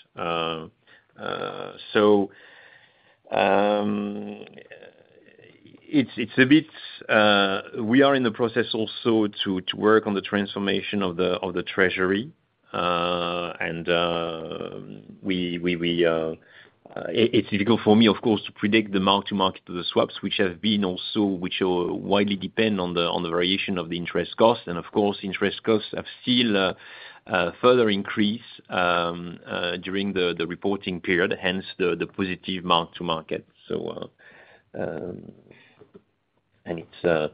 It's a bit, we are in the process also to work on the transformation of the treasury. We, it's difficult for me, of course, to predict the mark to market to the swaps, which have been also, which will widely depend on the variation of the interest costs. Of course, interest costs have still further increased during the reporting period, hence the positive mark to market. And it's,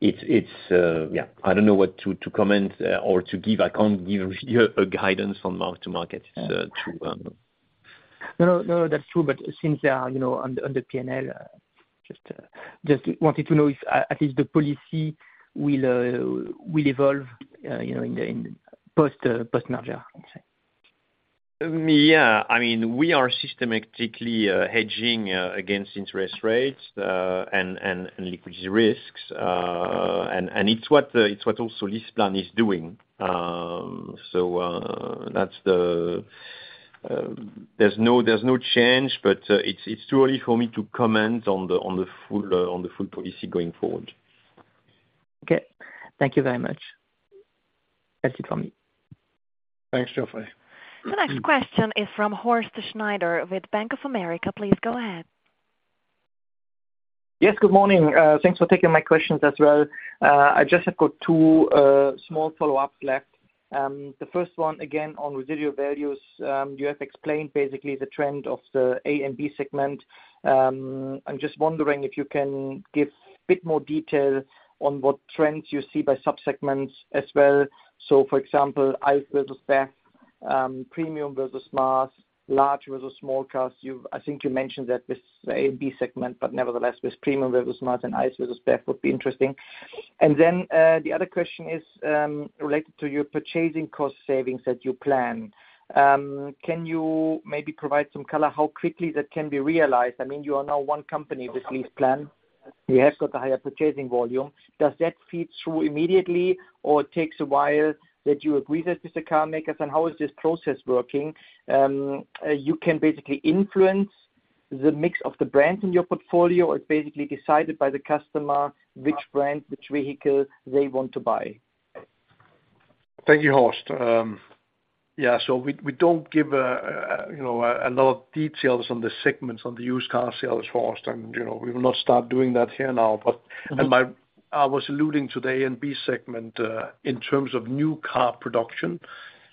yeah, I don't know what to comment or to give. I can't give you a guidance on mark to market. It's true. No, no, no, that's true, but since they are, you know, on the, on the P&L, just wanted to know if at least the policy will, will evolve, you know, in the, in post, post-merger, I would say. Yeah. I mean, we are systematically hedging against interest rates and liquidity risks. It's what it's what also LeasePlan is doing. That's the, there's no, there's no change, but it's too early for me to comment on the, on the full, on the full policy going forward. Okay. Thank you very much. That's it from me. Thanks, Geoffroy. The next question is from Horst Schneider with Bank of America. Please go ahead. Yes, good morning. Thanks for taking my questions as well. I just have got two small follow-ups left. The first one, again, on residual values. You have explained basically the trend of the A and B segment. I'm just wondering if you can give a bit more detail on what trends you see by sub-segments as well. So for example, ICE versus BEV, premium versus mass, large versus small cars. I think you mentioned that this A and B segment, but nevertheless, this premium versus mass and ICE versus BEV would be interesting. Then, the other question is, related to your purchasing cost savings that you plan. Can you maybe provide some color how quickly that can be realized? I mean, you are now one company with LeasePlan. You have got the higher purchasing volume. Does that feed through immediately, or it takes a while, that you agree that with the car makers, and how is this process working? You can basically influence the mix of the brands in your portfolio, or it's basically decided by the customer which brand, which vehicle they want to buy. Thank you, Horst. Yeah, we, we don't give, you know, a lot of details on the segments, on the used car sales, Horst, and, you know, we will not start doing that here now. Mm-hmm. My, I was alluding to the A and B segment in terms of new car production,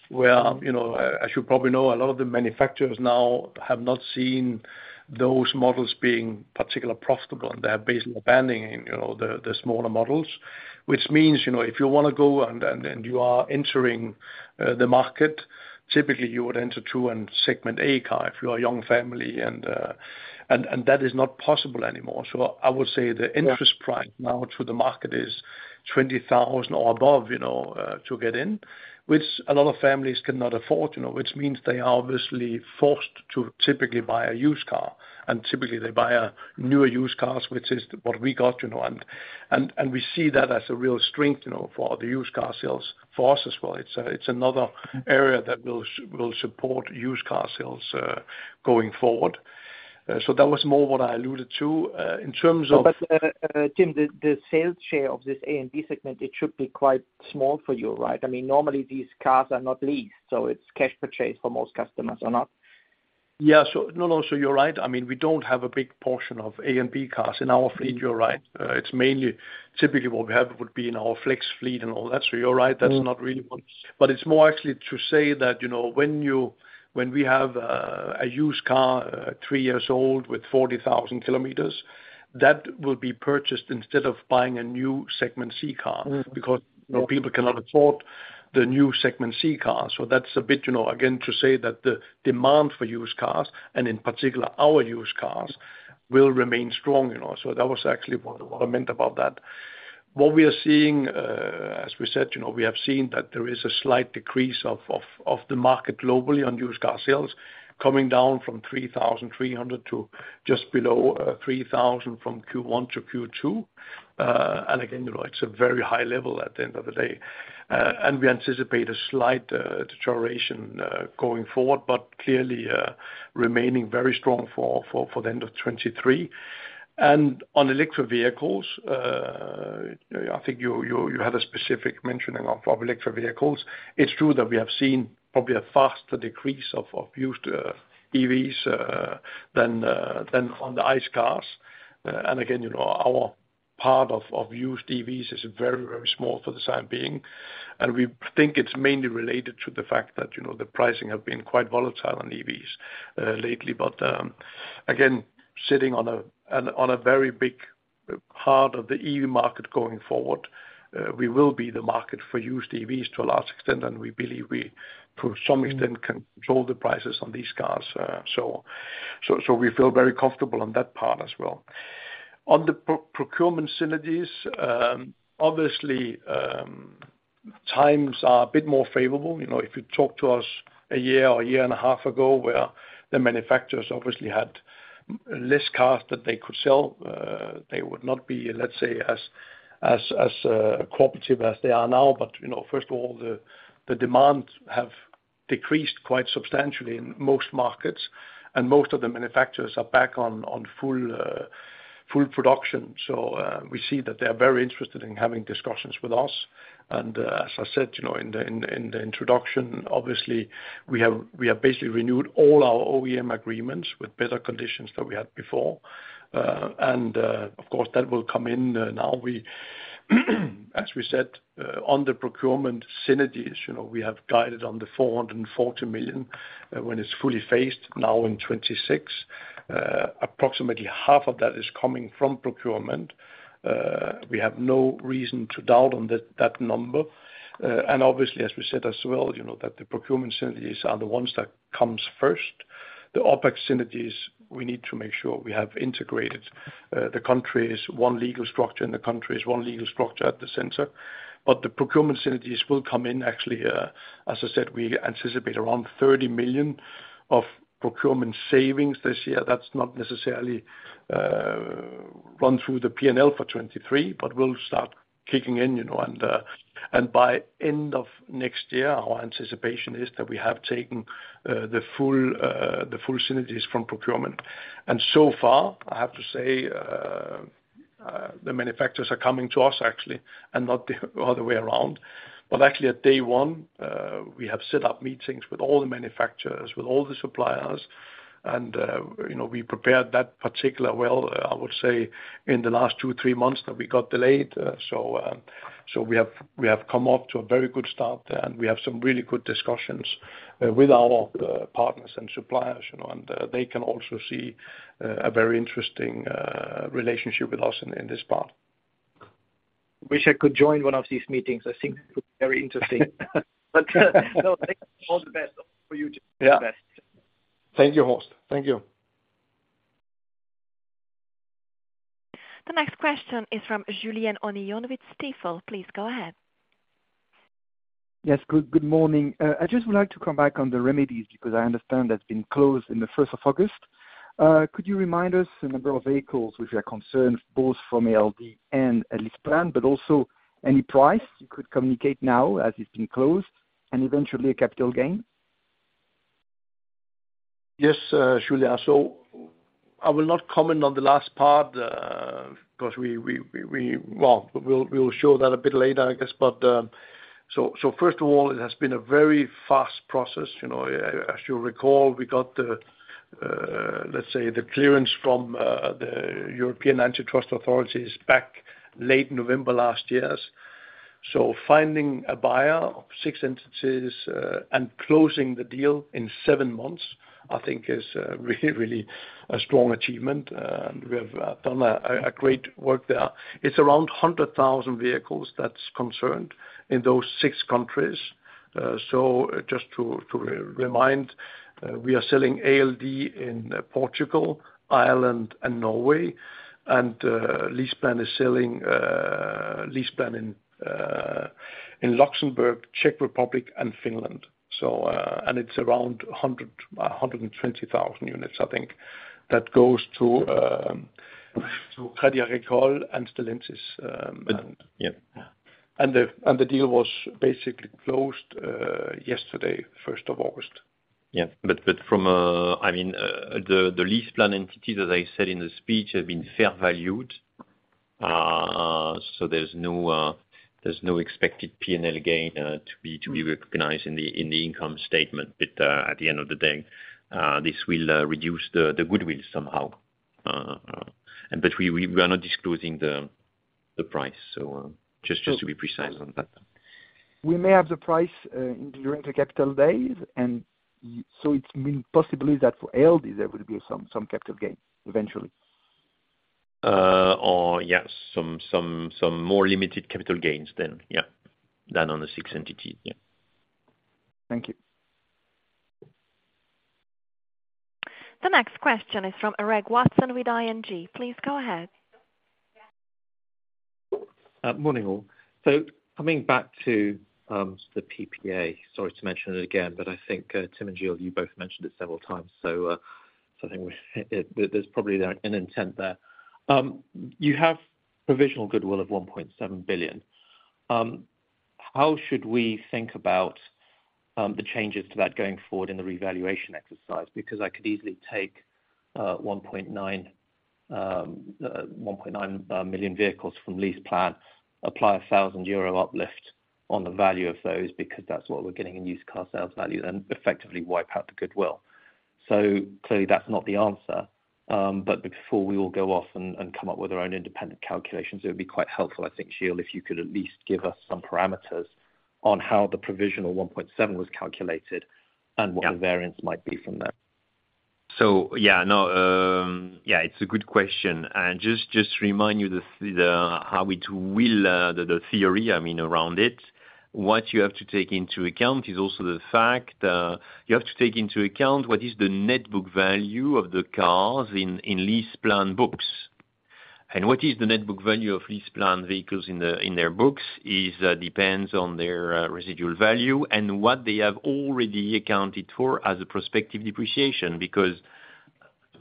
where, you know, as, as you probably know, a lot of the manufacturers now have not seen those models being particularly profitable, and they're basically abandoning, you know, the, the smaller models. Which means, you know, if you wanna go and, and, and you are entering the market, typically you would enter through a segment A car if you're a young family, and, and that is not possible anymore. I would say the interest price now to the market is 20,000 or above, you know, to get in, which a lot of families cannot afford, you know, which means they are obviously forced to typically buy a used car. Typically they buy a newer used cars, which is what we got, you know, and, and, and we see that as a real strength, you know, for the used car sales for us as well. It's, it's another area that will support used car sales, going forward. That was more what I alluded to, in terms of- Tim, the, the sales share of this A and B segment, it should be quite small for you, right? I mean, normally these cars are not leased, so it's cash purchase for most customers or not? Yeah. No, no, so you're right. I mean, we don't have a big portion of A and B cars in our fleet. You're right. It's mainly typically what we have would be in our flex fleet and all that. You're right, that's not really one. It's more actually to say that, you know, when we have a used car, three years old with 40,000 km, that will be purchased instead of buying a new segment C car. Mm. Because people cannot afford the new segment C car. That's a bit, you know, again, to say that the demand for used cars, and in particular our used cars, will remain strong, you know. That was actually what, what I meant about that. What we are seeing, as we said, you know, we have seen that there is a slight decrease of the market globally on used car sales, coming down from 3,300 to just below 3,000 from Q1 to Q2. Again, you know, it's a very high level at the end of the day. We anticipate a slight deterioration going forward, but clearly remaining very strong for the end of 2023. On electric vehicles, I think you, you, you had a specific mentioning of electric vehicles. It's true that we have seen probably a faster decrease of, of used EVs than than on the ICE cars. And again, you know, our part of, of used EVs is very, very small for the time being, and we think it's mainly related to the fact that, you know, the pricing have been quite volatile on EVs lately. Again, sitting on a, on, on a very big part of the EV market going forward, we will be the market for used EVs to a large extent, and we believe we, to some extent, control the prices on these cars. So, so we feel very comfortable on that part as well. On the procurement synergies, obviously, times are a bit more favorable. You know, if you talk to us a year or a year and a half ago, where the manufacturers obviously had less cars that they could sell, they would not be, let's say, as, as, as, cooperative as they are now. You know, first of all, the demand have decreased quite substantially in most markets, and most of the manufacturers are back on full production. We see that they are very interested in having discussions with us. As I said, you know, in the introduction, obviously, we have basically renewed all our OEM agreements with better conditions than we had before. Of course, that will come in. Now, we, as we said, on the procurement synergies, you know, we have guided on the 440 million, when it's fully phased now in 2026. Approximately half of that is coming from procurement. We have no reason to doubt on that, that number. And obviously, as we said as well, you know, that the procurement synergies are the ones that comes first. The OpEx synergies, we need to make sure we have integrated, the countries, one legal structure in the countries, one legal structure at the center. But the procurement synergies will come in actually, as I said, we anticipate around 30 million of procurement savings this year. That's not necessarily run through the P&L for 2023, but will start kicking in, you know, by end of next year, our anticipation is that we have taken the full the full synergies from procurement. So far, I have to say, the manufacturers are coming to us actually, and not the other way around. Actually, at day one, we have set up meetings with all the manufacturers, with all the suppliers, and, you know, we prepared that particular well, I would say, in the last two, three months that we got delayed. We have, we have come off to a very good start, and we have some really good discussions with our partners and suppliers, you know, and they can also see a very interesting relationship with us in, in this part. Wish I could join one of these meetings. I think it would be very interesting. No, all the best for you, Tim. Yeah. All the best. Thank you, Horst. Thank you. The next question is from Julien Onillon with Stifel. Please go ahead. Yes, good, good morning. I just would like to come back on the remedies, because I understand that's been closed in the 1st of August. Could you remind us the number of vehicles which are concerned, both from ALD and LeasePlan, but also any price you could communicate now, as it's been closed, and eventually a capital gain? Yes, Julien. I will not comment on the last part, because Well, we'll, we'll show that a bit later, I guess, but, so, so first of all, it has been a very fast process. You know, as you'll recall, we got the, let's say, the clearance from, the European Antitrust Authorities back late November last year. Finding a buyer of six entities, and closing the deal in seven months, I think is, really, really a strong achievement. And we have done a great work there. It's around 100,000 vehicles that's concerned in those six countries. Just to re-remind, we are selling ALD in Portugal, Ireland and Norway, and LeasePlan is selling LeasePlan in Luxembourg, Czech Republic and Finland. It's around 100, 120,000 units, I think, that goes to Crédit Agricole and Stellantis, yeah. The, and the deal was basically closed yesterday, the first of August. Yeah. But I mean, the LeasePlan entity, as I said in the speech, have been fair valued. There's no expected P&L gain to be recognized in the income statement. At the end of the day, this will reduce the goodwill somehow. We are not disclosing the price. Just to be precise on that. We may have the price, during the Capital Days, and so it means possibly that for ALD, there will be some, some capital gain eventually. Yes, some, some, some more limited capital gains than, yeah, than on the six entity. Yeah. Thank you. The next question is from Reg Watson with ING. Please go ahead. Morning, all. Coming back to the PPA, sorry to mention it again, but I think Tim and Gilles, you both mentioned it several times, so I think we, there's probably an intent there. You have provisional goodwill of 1.7 billion. How should we think about the changes to that going forward in the revaluation exercise? Because I could easily take 1.9 million vehicles from LeasePlan, apply a 1,000 euro uplift on the value of those, because that's what we're getting in used car sales value, and effectively wipe out the goodwill. Clearly, that's not the answer, but before we all go off and, and come up with our own independent calculations, it would be quite helpful, I think, Gilles, if you could at least give us some parameters on how the provisional 1.7 was calculated. Yeah... And what the variance might be from that. Yeah, no, yeah, it's a good question. Just, just to remind you the, the, how it will the, the theory, I mean, around it. What you have to take into account is also the fact, you have to take into account what is the net book value of the cars in, in LeasePlan books. What is the net book value of LeasePlan vehicles in the, in their books, is depends on their residual value and what they have already accounted for as a prospective depreciation. Because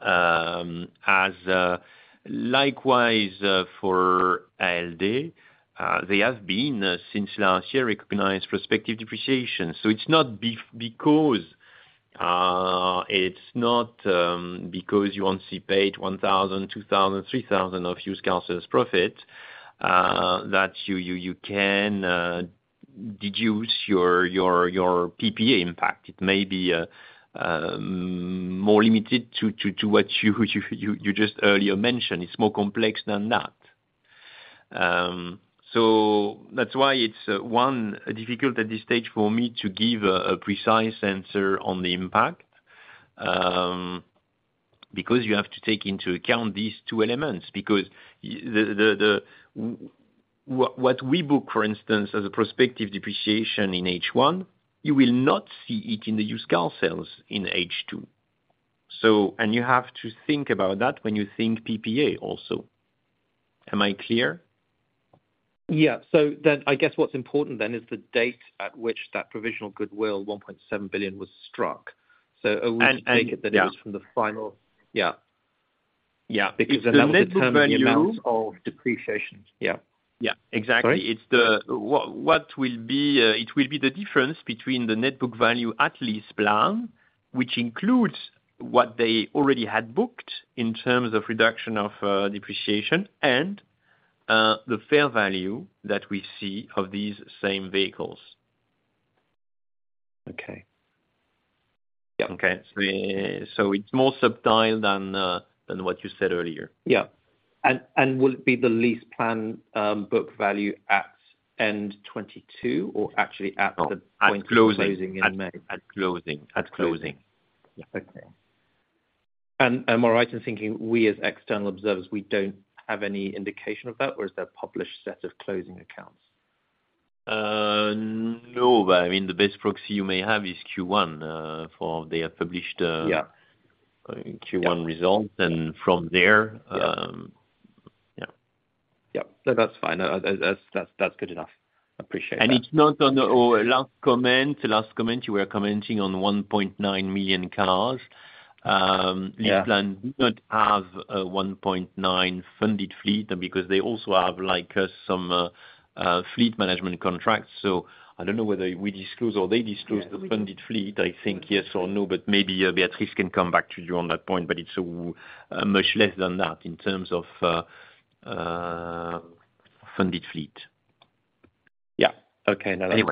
as likewise, for ALD, they have been since last year, recognized prospective depreciation. It's not because it's not because you only see paid 1,000, 2,000, 3,000 of used car sales profit, that you, you, you can deduce your, your, your PPA impact. It may be more limited to, to, to what you, you, you, you just earlier mentioned. It's more complex than that. So that's why it's one, difficult at this stage for me to give a, a precise answer on the impact. Because you have to take into account these two elements, because the, the, the, what we book, for instance, as a prospective depreciation in H1, you will not see it in the used car sales in H2. And you have to think about that when you think PPA also. Am I clear? Yeah. I guess what's important then is the date at which that provisional goodwill, 1.7 billion, was struck. And, and, yeah. Take it, that it was from the final... Yeah. Yeah. Because the net book value of depreciation. Yeah. Yeah, exactly. Sorry? It's the, what will be, it will be the difference between the net book value at LeasePlan, which includes what they already had booked in terms of reduction of depreciation and the fair value that we see of these same vehicles. Okay. Yeah. Okay. It's more subtle than than what you said earlier. Yeah. And will it be the LeasePlan book value at end 2022 or actually at the point-. At closing. In May? At closing. At closing. Okay. Am I right in thinking we as external observers, we don't have any indication of that, or is there a published set of closing accounts? No, but I mean, the best proxy you may have is Q1, for they have published. Yeah Q1 results, and from there. Yeah... Yeah. Yeah. That's fine. That's good enough. Appreciate that. It's not on the... Oh, last comment, last comment, you were commenting on 1.9 million cars. Yeah. LeasePlan do not have a 1.9 funded fleet, because they also have, like, some fleet management contracts. I don't know whether we disclose or they disclose the funded fleet, I think yes or no, but maybe Beatrice can come back to you on that point, but it's much less than that in terms of funded fleet. Yeah. Okay. Anyway.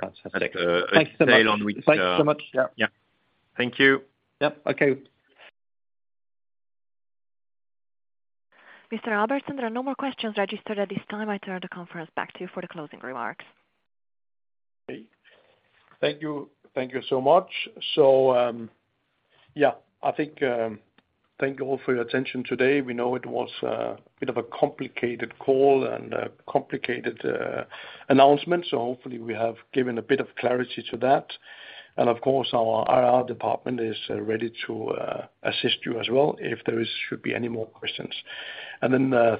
Thanks so much. Yeah. Thanks so much. Yeah. Thank you. Yep. Okay. Mr. Albertsen, there are no more questions registered at this time. I turn the conference back to you for the closing remarks. Thank you. Thank you so much. Yeah, I think, thank you all for your attention today. We know it was a bit of a complicated call and a complicated announcement, so hopefully we have given a bit of clarity to that. Of course, our IR department is ready to assist you as well, if there is, should be any more questions.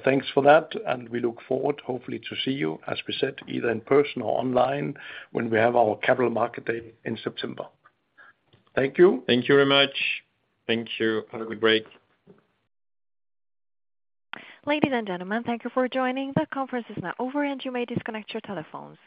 Thanks for that, and we look forward, hopefully, to see you, as we said, either in person or online, when we have our capital market day in September. Thank you. Thank you very much. Thank you. Have a good break. Ladies and gentlemen, thank you for joining. The conference is now over, and you may disconnect your telephones.